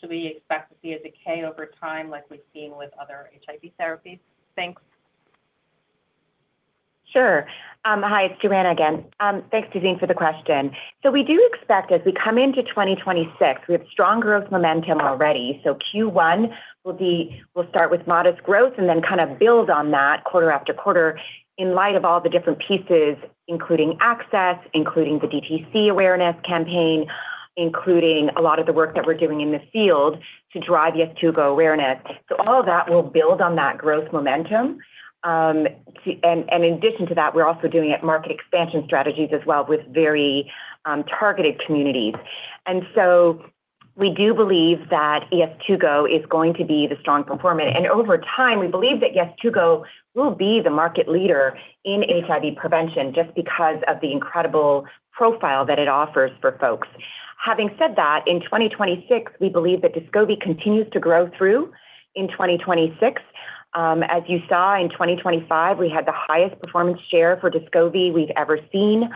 Should we expect to see a decay over time like we've seen with other HIV therapies? Thanks. Sure. Hi, it's Johanna again. Thanks, Tazeen, for the question. So we do expect as we come into 2026, we have strong growth momentum already. So Q1 will be, we'll start with modest growth and then kind of build on that quarter after quarter in light of all the different pieces, including access, including the DTC awareness campaign, including a lot of the work that we're doing in the field to drive Yeztugo awareness. So all of that will build on that growth momentum. In addition to that, we're also doing market expansion strategies as well with very targeted communities. And so we do believe that Yeztugo is going to be the strong performer. And over time, we believe that Yeztugo will be the market leader in HIV prevention, just because of the incredible profile that it offers for folks. Having said that, in 2026, we believe that Descovy continues to grow through in 2026. As you saw in 2025, we had the highest performance share for Descovy we've ever seen.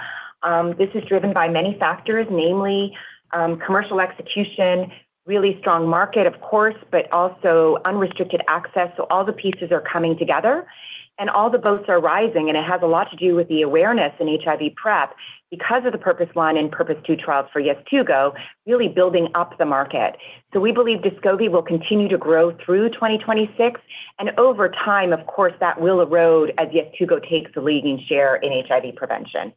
This is driven by many factors, namely, commercial execution, really strong market, of course, but also unrestricted access. So all the pieces are coming together and all the boats are rising, and it has a lot to do with the awareness in HIV PrEP because of the PURPOSE 1 and PURPOSE 2 trials for Yeztugo, really building up the market. So we believe Descovy will continue to grow through 2026, and over time, of course, that will erode as Yeztugo takes the leading share in HIV prevention.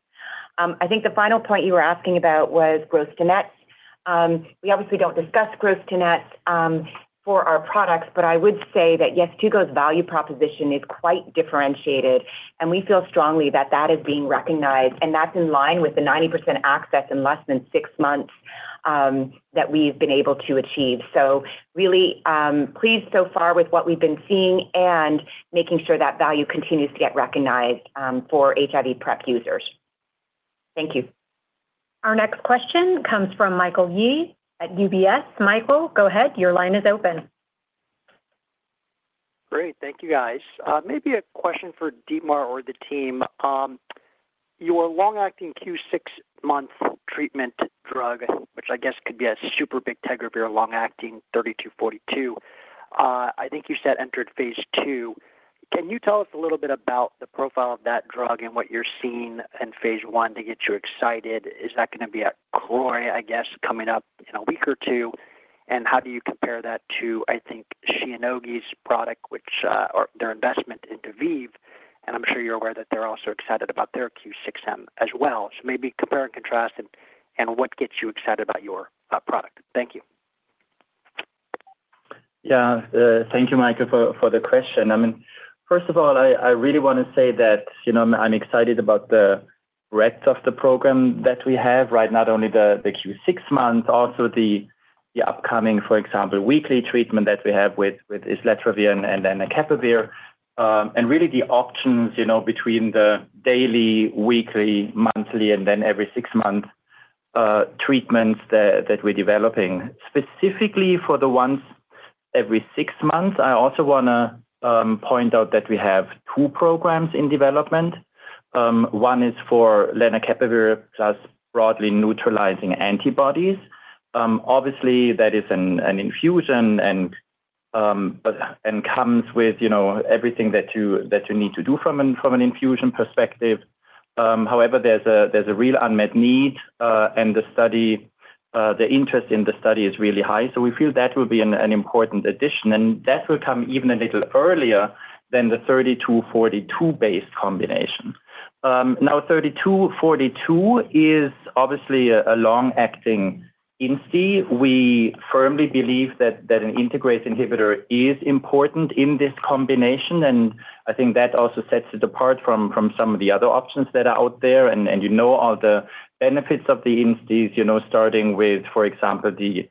I think the final point you were asking about was gross to net. We obviously don't discuss gross to net, for our products, but I would say that Sunlenca's value proposition is quite differentiated, and we feel strongly that that is being recognized, and that's in line with the 90% access in less than six months, that we've been able to achieve. So really, pleased so far with what we've been seeing and making sure that value continues to get recognized, for HIV PrEP users. Thank you. Our next question comes from Michael Yee at UBS. Michael, go ahead. Your line is open. Great. Thank you, guys. Maybe a question for Dietmar or the team. Your long-acting six-month treatment drug, which I guess could be a super big bictegravir, long-acting, GS-3242, I think you said entered phase II. Can you tell us a little bit about the profile of that drug and what you're seeing in phase I to get you excited? Is that gonna be at CROI, I guess, coming up in a week or two? And how do you compare that to, I think, Shionogi's product, which, or their investment in ViiV? And I'm sure you're aware that they're also excited about their six-month as well. So maybe compare and contrast, and, and what gets you excited about your, product? Thank you. Yeah. Thank you, Michael, for, for the question. I mean, first of all, I, I really want to say that, you know, I'm, I'm excited about the rest of the program that we have, right? Not only the, the Q6 month, also the, the upcoming, for example, weekly treatment that we have with, with islatravir and then the lenacapavir, and really the options, you know, between the daily, weekly, monthly, and then every six months, treatments that, that we're developing. Specifically for the ones every six months, I also wanna point out that we have two programs in development. One is for lenacapavir, plus broadly neutralizing antibodies. Obviously, that is an, an infusion and, but, and comes with, you know, everything that you, that you need to do from an, from an infusion perspective. However, there's a real unmet need, and the study, the interest in the study is really high, so we feel that will be an important addition, and that will come even a little earlier than the 32, 42-based combination. Now, 32, 42 is obviously a long-acting INSTI. We firmly believe that an integrase inhibitor is important in this combination, and I think that also sets it apart from some of the other options that are out there. And you know all the benefits of the INSTIs, you know, starting with, for example, the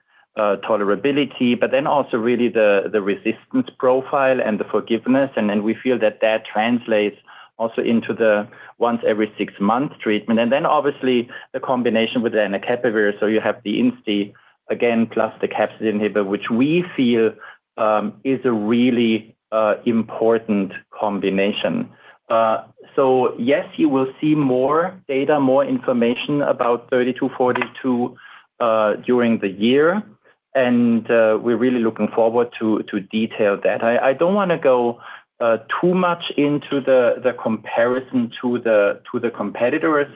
tolerability, but then also really the resistance profile and the forgiveness. And then we feel that that translates also into the once every six months treatment. Then obviously the combination with lenacapavir, so you have the INSTI again, plus the capsid inhibitor, which we feel is a really important combination. So yes, you will see more data, more information about 32, 42 during the year, and we're really looking forward to detail that. I don't wanna go too much into the comparison to the competitors,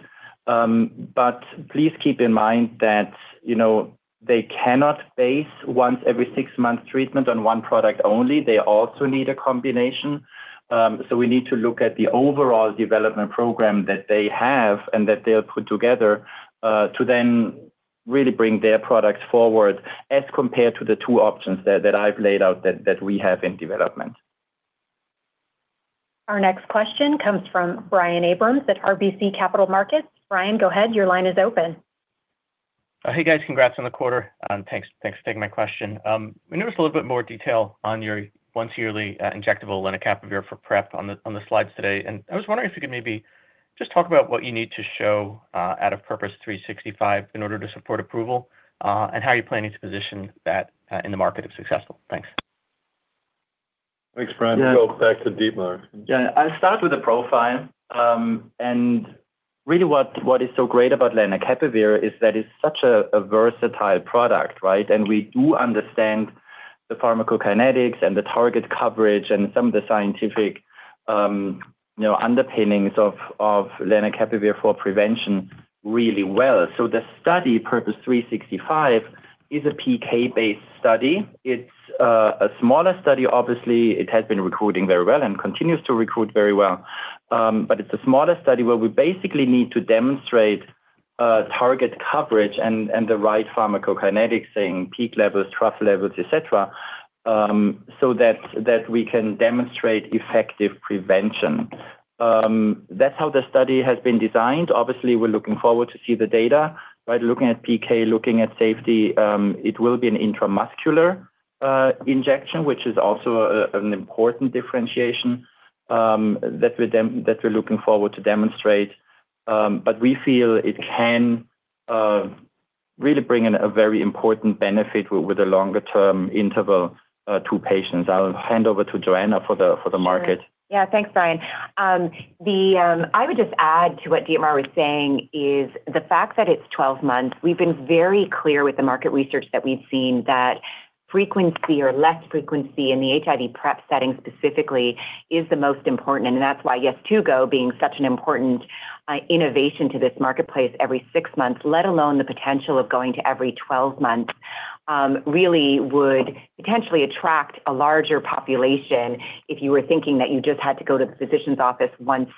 but please keep in mind that, you know, they cannot base once every six months treatment on one product only. They also need a combination. So we need to look at the overall development program that they have and that they'll put together to then really bring their products forward as compared to the two options that I've laid out that we have in development. Our next question comes from Brian Abrahams at RBC Capital Markets. Brian, go ahead. Your line is open. Hey, guys. Congrats on the quarter, and thanks, thanks for taking my question. I notice a little bit more detail on your once-yearly injectable lenacapavir for PrEP on the slides today, and I was wondering if you could maybe just talk about what you need to show out of Purpose 365 in order to support approval, and how you're planning to position that in the market if successful? Thanks. Thanks, Brian. Go back to Dietmar. Yeah. I'll start with the profile, and really what, what is so great about lenacapavir is that it's such a versatile product, right? And we do understand the pharmacokinetics and the target coverage and some of the scientific, you know, underpinnings of lenacapavir for prevention really well. So the study, PURPOSE 365, is a PK-based study. It's a smaller study. Obviously, it has been recruiting very well and continues to recruit very well. But it's a smaller study where we basically need to demonstrate target coverage and the right pharmacokinetics, saying peak levels, trough levels, et cetera, so that we can demonstrate effective prevention. That's how the study has been designed. Obviously, we're looking forward to see the data, by looking at PK, looking at safety. It will be an intramuscular injection, which is also an important differentiation that we're looking forward to demonstrate. But we feel it can really bring in a very important benefit with a longer-term interval to patients. I'll hand over to Johanna for the market. Yeah. Thanks, Brian. I would just add to what Dietmar was saying, is the fact that it's 12 months, we've been very clear with the market research that we've seen, that frequency or less frequency in the HIV PrEP setting specifically, is the most important, and that's why Yeztugo being such an important innovation to this marketplace every six months, let alone the potential of going to every 12 months, really would potentially attract a larger population, if you were thinking that you just had to go to the physician's office once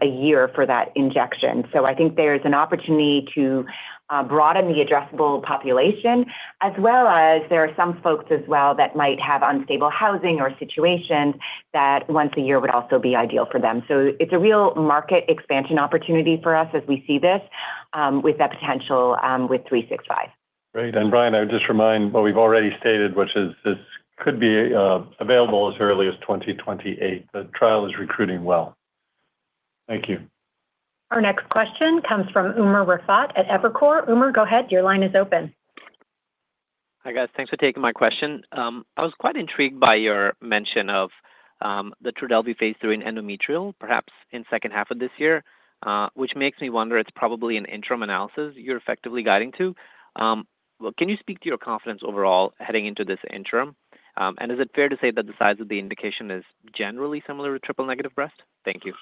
a year for that injection. So I think there's an opportunity to broaden the addressable population, as well as there are some folks as well, that might have unstable housing or situations, that once a year would also be ideal for them. It's a real market expansion opportunity for us as we see this, with that potential, with three, six, five. Great. And Brian, I would just remind what we've already stated, which is this could be available as early as 2028. The trial is recruiting well. Thank you. Our next question comes from Umer Raffat at Evercore ISI. Umer, go ahead. Your line is open. Hi, guys. Thanks for taking my question. I was quite intrigued by your mention of the Trodelvy phase III in endometrial, perhaps in second half of this year, which makes me wonder, it's probably an interim analysis you're effectively guiding to. Well, can you speak to your confidence overall heading into this interim? And is it fair to say that the size of the indication is generally similar to triple negative breast? Thank you.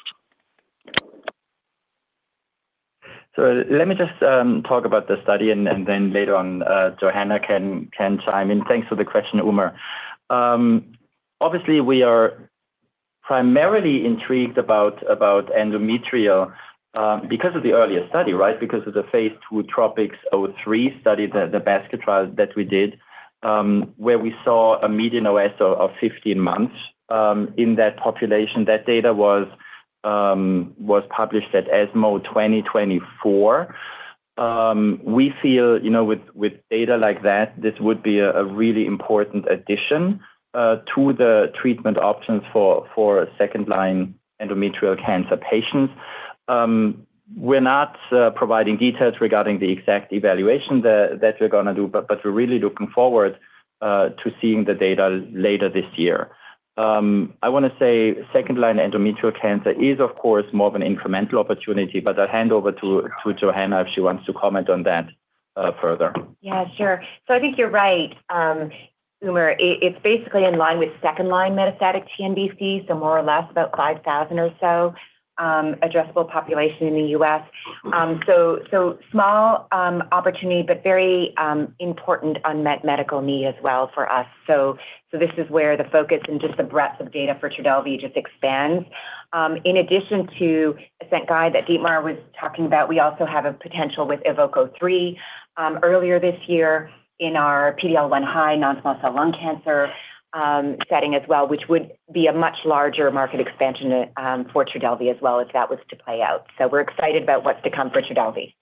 So let me just talk about the study, and then later on, Johanna can chime in. Thanks for the question, Umer. Obviously, we are primarily intrigued about endometrial because of the earlier study, right? Because of the phase II TROPICS-03 study, the basket trial that we did, where we saw a median OS of 15 months in that population. That data was published at ESMO 2024. We feel, you know, with data like that, this would be a really important addition to the treatment options for second-line endometrial cancer patients. We're not providing details regarding the exact evaluation that we're gonna do, but we're really looking forward to seeing the data later this year. I wanna say second-line endometrial cancer is, of course, more of an incremental opportunity, but I'll hand over to Johanna if she wants to comment on that, further. Yeah, sure. So I think you're right, Umer. It's basically in line with second-line metastatic TNBC, so more or less about 5,000 or so addressable population in the U.S. So, so small opportunity, but very important unmet medical need as well for us. So, this is where the focus and just the breadth of data for Trodelvy just expands. In addition to ASCENT-GYN01 that Dietmar was talking about, we also have a potential with EVOKE-03, earlier this year in our PD-L1 high non-small cell lung cancer setting as well, which would be a much larger market expansion for Trodelvy as well, if that was to play out. So we're excited about what's to come for Trodelvy.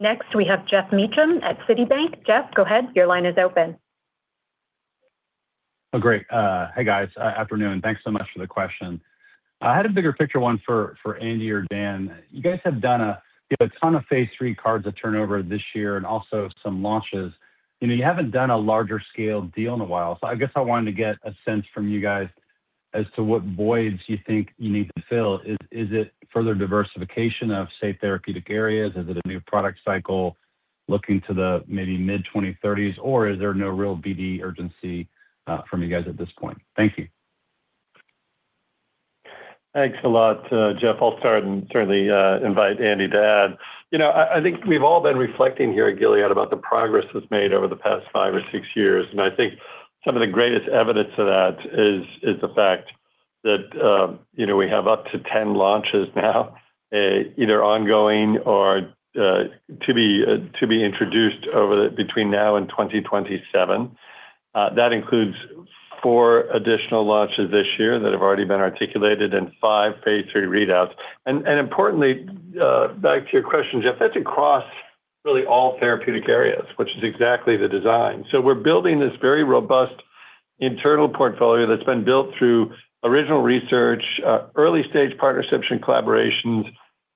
Next, we have Geoff Meacham at Citibank. Geoff, go ahead. Your line is open. Oh, great. Hi, guys. Afternoon. Thanks so much for the question. I had a bigger picture, one for Andy or Dan. You guys have done a ton of phase III CAR T's of turnover this year and also some launches. You know, you haven't done a larger scale deal in a while. So I guess I wanted to get a sense from you guys as to what voids you think you need to fill. Is it further diversification of key therapeutic areas? Is it a new product cycle looking to the maybe mid-2030s, or is there no real BD urgency from you guys at this point? Thank you. Thanks a lot, Geoff. I'll start and certainly invite Andy to add. You know, I, I think we've all been reflecting here at Gilead about the progress that's made over the past five or six years, and I think some of the greatest evidence to that is, is the fact that, you know, we have up to 10 launches now, either ongoing or, to be, to be introduced over the between now and 2027. That includes four additional launches this year that have already been articulated and five phase III readouts. And, and importantly, back to your question, Geoff, that's across really all therapeutic areas, which is exactly the design. So we're building this very robust internal portfolio that's been built through original research, early-stage partnerships and collaborations,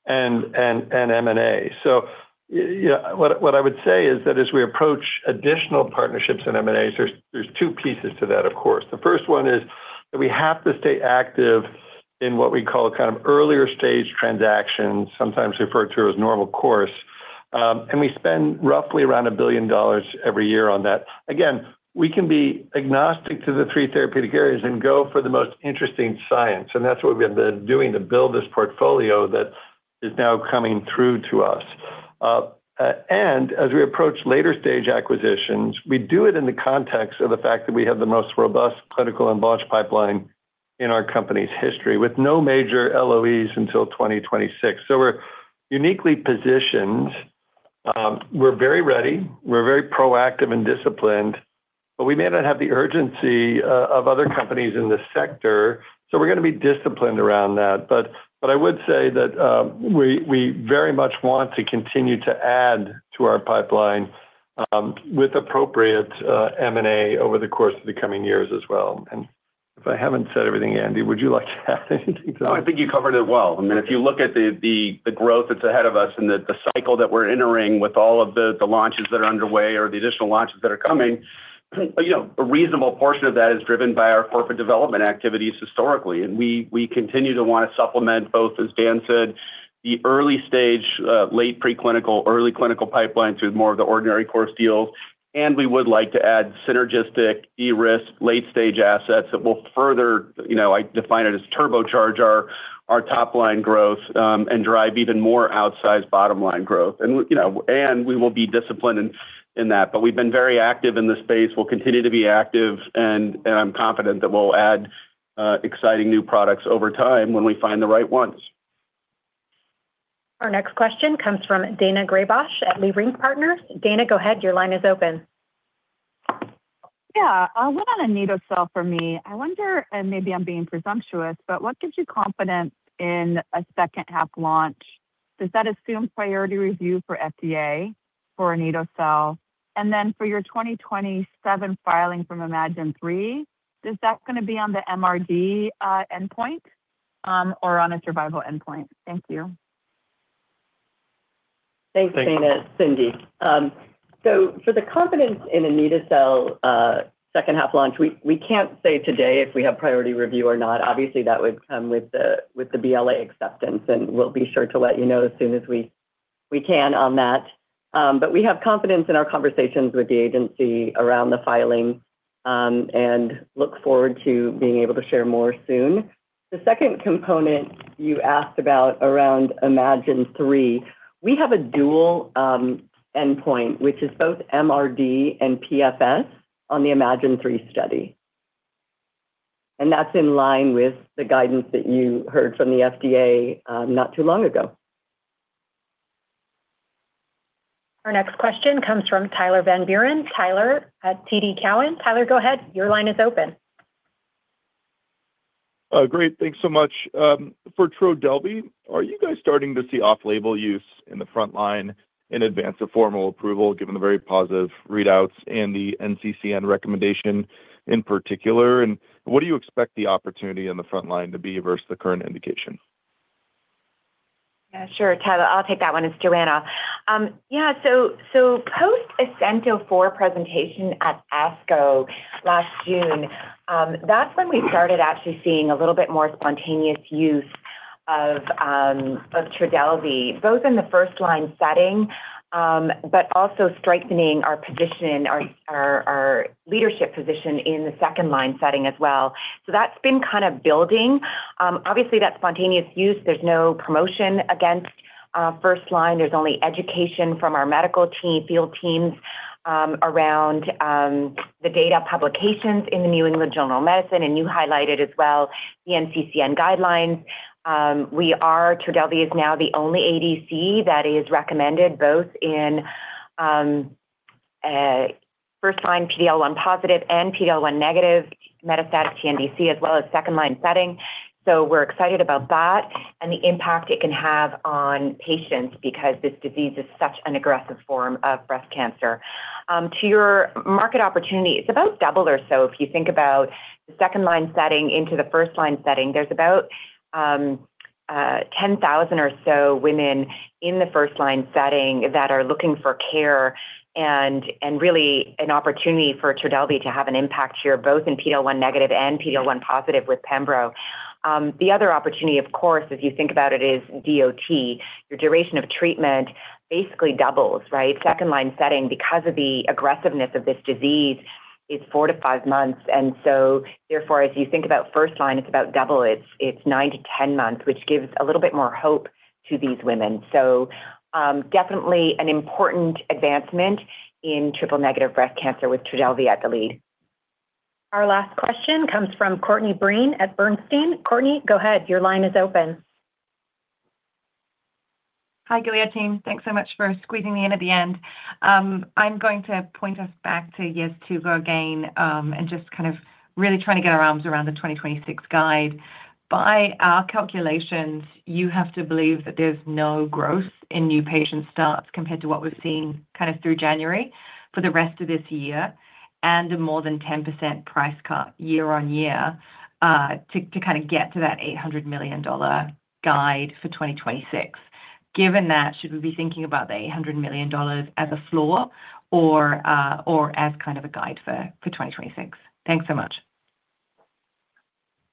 and, and, and M&A. So yeah, what I would say is that as we approach additional partnerships in M&A, there's two pieces to that, of course. The first one is that we have to stay active in what we call a kind of earlier stage transactions, sometimes referred to as normal course. And we spend roughly around $1 billion every year on that. Again, we can be agnostic to the three therapeutic areas and go for the most interesting science, and that's what we've been doing to build this portfolio that is now coming through to us. And as we approach later stage acquisitions, we do it in the context of the fact that we have the most robust clinical and launch pipeline in our company's history, with no major LOEs until 2026. So we're uniquely positioned. We're very ready, we're very proactive and disciplined, but we may not have the urgency of other companies in this sector, so we're gonna be disciplined around that. But I would say that we very much want to continue to add to our pipeline with appropriate, M&A over the course of the coming years as well. And if I haven't said everything, Andy, would you like to add anything to that? No, I think you covered it well. I mean, if you look at the growth that's ahead of us and the cycle that we're entering with all of the launches that are underway or the additional launches that are coming, you know, a reasonable portion of that is driven by our corporate development activities historically. And we continue to want to supplement both, as Dan said, the early stage late preclinical, early clinical pipeline through more of the ordinary course deals. And we would like to add synergistic de-risk late-stage assets that will further, you know, I define it as turbocharge our top-line growth and drive even more outsized bottom-line growth. And, you know, we will be disciplined in that. But we've been very active in this space, we'll continue to be active, and I'm confident that we'll add exciting new products over time when we find the right ones. Our next question comes from Daina Graybosch at Leerink Partners. Daina, go ahead. Your line is open. Yeah, one on anito-cel for me. I wonder, and maybe I'm being presumptuous, but what gives you confidence in a second half launch? Does that assume priority review for FDA for anito-cel? And then for your 2027 filing from IMAGINE-3, is that gonna be on the MRD endpoint, or on a survival endpoint? Thank you. Thanks, Daina. It's Cindy. So for the confidence in anito-cel second half launch, we can't say today if we have priority review or not. Obviously, that would come with the BLA acceptance, and we'll be sure to let you know as soon as we can on that. But we have confidence in our conversations with the agency around the filing, and look forward to being able to share more soon. The second component you asked about around IMAGINE-3, we have a dual endpoint, which is both MRD and PFS on the IMAGINE-3 study. That's in line with the guidance that you heard from the FDA not too long ago. Our next question comes from Tyler Van Buren. Tyler at TD Cowen. Tyler, go ahead. Your line is open. Great, thanks so much. For Trodelvy, are you guys starting to see off-label use in the front line in advance of formal approval, given the very positive readouts and the NCCN recommendation in particular? And what do you expect the opportunity in the front line to be versus the current indication? Yeah, sure, Tyler, I'll take that one. It's Johanna. Yeah, so, so post-ASCO 2024 presentation at ASCO last June, that's when we started actually seeing a little bit more spontaneous use of, of Trodelvy, both in the first-line setting, but also strengthening our position, our, our leadership position in the second-line setting as well. So that's been kind of building. Obviously, that's spontaneous use. There's no promotion against, first line. There's only education from our medical team, field teams, around, the data publications in the New England Journal of Medicine, and you highlighted as well the NCCN guidelines. We are, Trodelvy is now the only ADC that is recommended both in, first-line PD-L1-positive and PD-L1-negative metastatic TNBC, as well as second-line setting. So we're excited about that and the impact it can have on patients because this disease is such an aggressive form of breast cancer. To your market opportunity, it's about double or so. If you think about the second line setting into the first line setting, there's about 10,000 or so women in the first line setting that are looking for care and, and really an opportunity for Trodelvy to have an impact here, both in PDL1 negative and PDL1 positive with pembro. The other opportunity, of course, if you think about it, is DOT. Your duration of treatment basically doubles, right? Second line setting, because of the aggressiveness of this disease, is four to five months, and so therefore, as you think about first line, it's about double it. It's nine to 10 months, which gives a little bit more hope to these women. Definitely an important advancement in triple-negative breast cancer with Trodelvy at the lead. Our last question comes from Courtney Breen at Bernstein. Courtney, go ahead. Your line is open. Hi, Gilead team. Thanks so much for squeezing me in at the end. I'm going to point us back to Sunlenca again, and just kind of really trying to get our arms around the 2026 guide. By our calculations, you have to believe that there's no growth in new patient starts compared to what we've seen kind of through January for the rest of this year, and a more than 10% price cut year-over-year, to kind of get to that $800 million guide for 2026. Given that, should we be thinking about the $800 million as a floor or, or as kind of a guide for 2026? Thanks so much.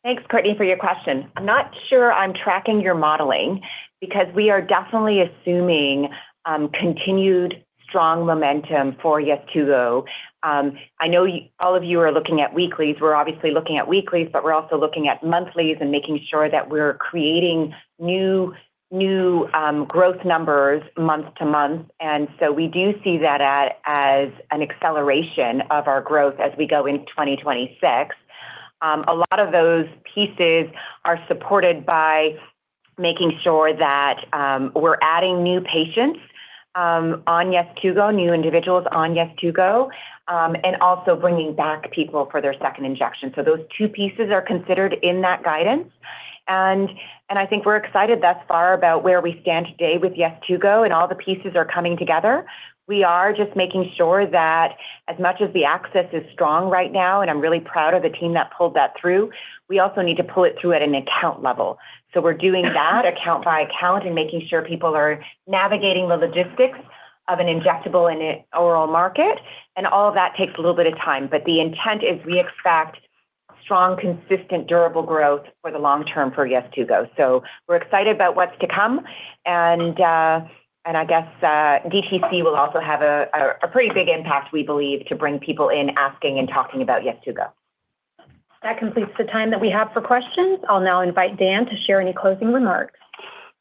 Thanks, Courtney, for your question. I'm not sure I'm tracking your modeling because we are definitely assuming continued strong momentum for Sunlenca. I know y'all of you are looking at weeklies. We're obviously looking at weeklies, but we're also looking at monthlies and making sure that we're creating new growth numbers month to month, and so we do see that as an acceleration of our growth as we go into 2026. A lot of those pieces are supported by making sure that we're adding new patients on Sunlenca, new individuals on Sunlenca, and also bringing back people for their second injection. So those two pieces are considered in that guidance. I think we're excited thus far about where we stand today with Sunlenca, and all the pieces are coming together. We are just making sure that as much as the access is strong right now, and I'm really proud of the team that pulled that through, we also need to pull it through at an account level. So we're doing that account by account and making sure people are navigating the logistics of an injectable in an oral market, and all of that takes a little bit of time. But the intent is we expect strong, consistent, durable growth for the long term for Sunlenca. So we're excited about what's to come, and I guess DTC will also have a pretty big impact, we believe, to bring people in asking and talking about Sunlenca. That completes the time that we have for questions. I'll now invite Dan to share any closing remarks.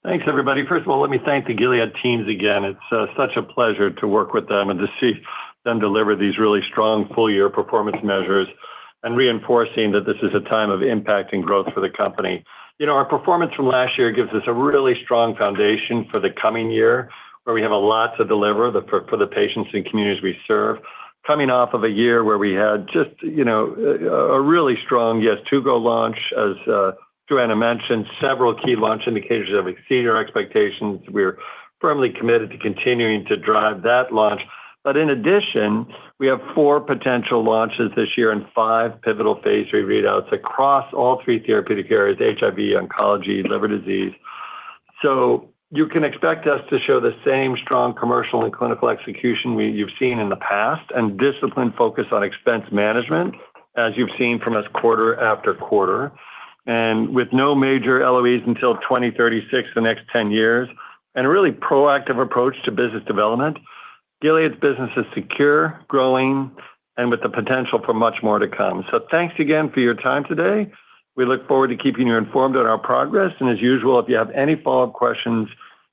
Thanks, everybody. First of all, let me thank the Gilead teams again. It's such a pleasure to work with them and to see them deliver these really strong full-year performance measures and reinforcing that this is a time of impact and growth for the company. You know, our performance from last year gives us a really strong foundation for the coming year, where we have a lot to deliver for the patients and communities we serve. Coming off of a year where we had just, you know, a really strong Yeztugo launch. As Johanna mentioned, several key launch indicators have exceeded our expectations. We're firmly committed to continuing to drive that launch. But in addition, we have four potential launches this year and five pivotal phase III readouts across all three therapeutic areas: HIV, oncology, liver disease. You can expect us to show the same strong commercial and clinical execution you've seen in the past, and disciplined focus on expense management, as you've seen from us quarter after quarter. With no major LOEs until 2036, the next 10 years, and a really proactive approach to business development, Gilead's business is secure, growing, and with the potential for much more to come. So thanks again for your time today. We look forward to keeping you informed on our progress. As usual, if you have any follow-up questions,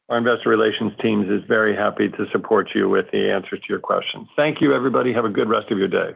our investor relations team is very happy to support you with the answers to your questions. Thank you, everybody. Have a good rest of your day.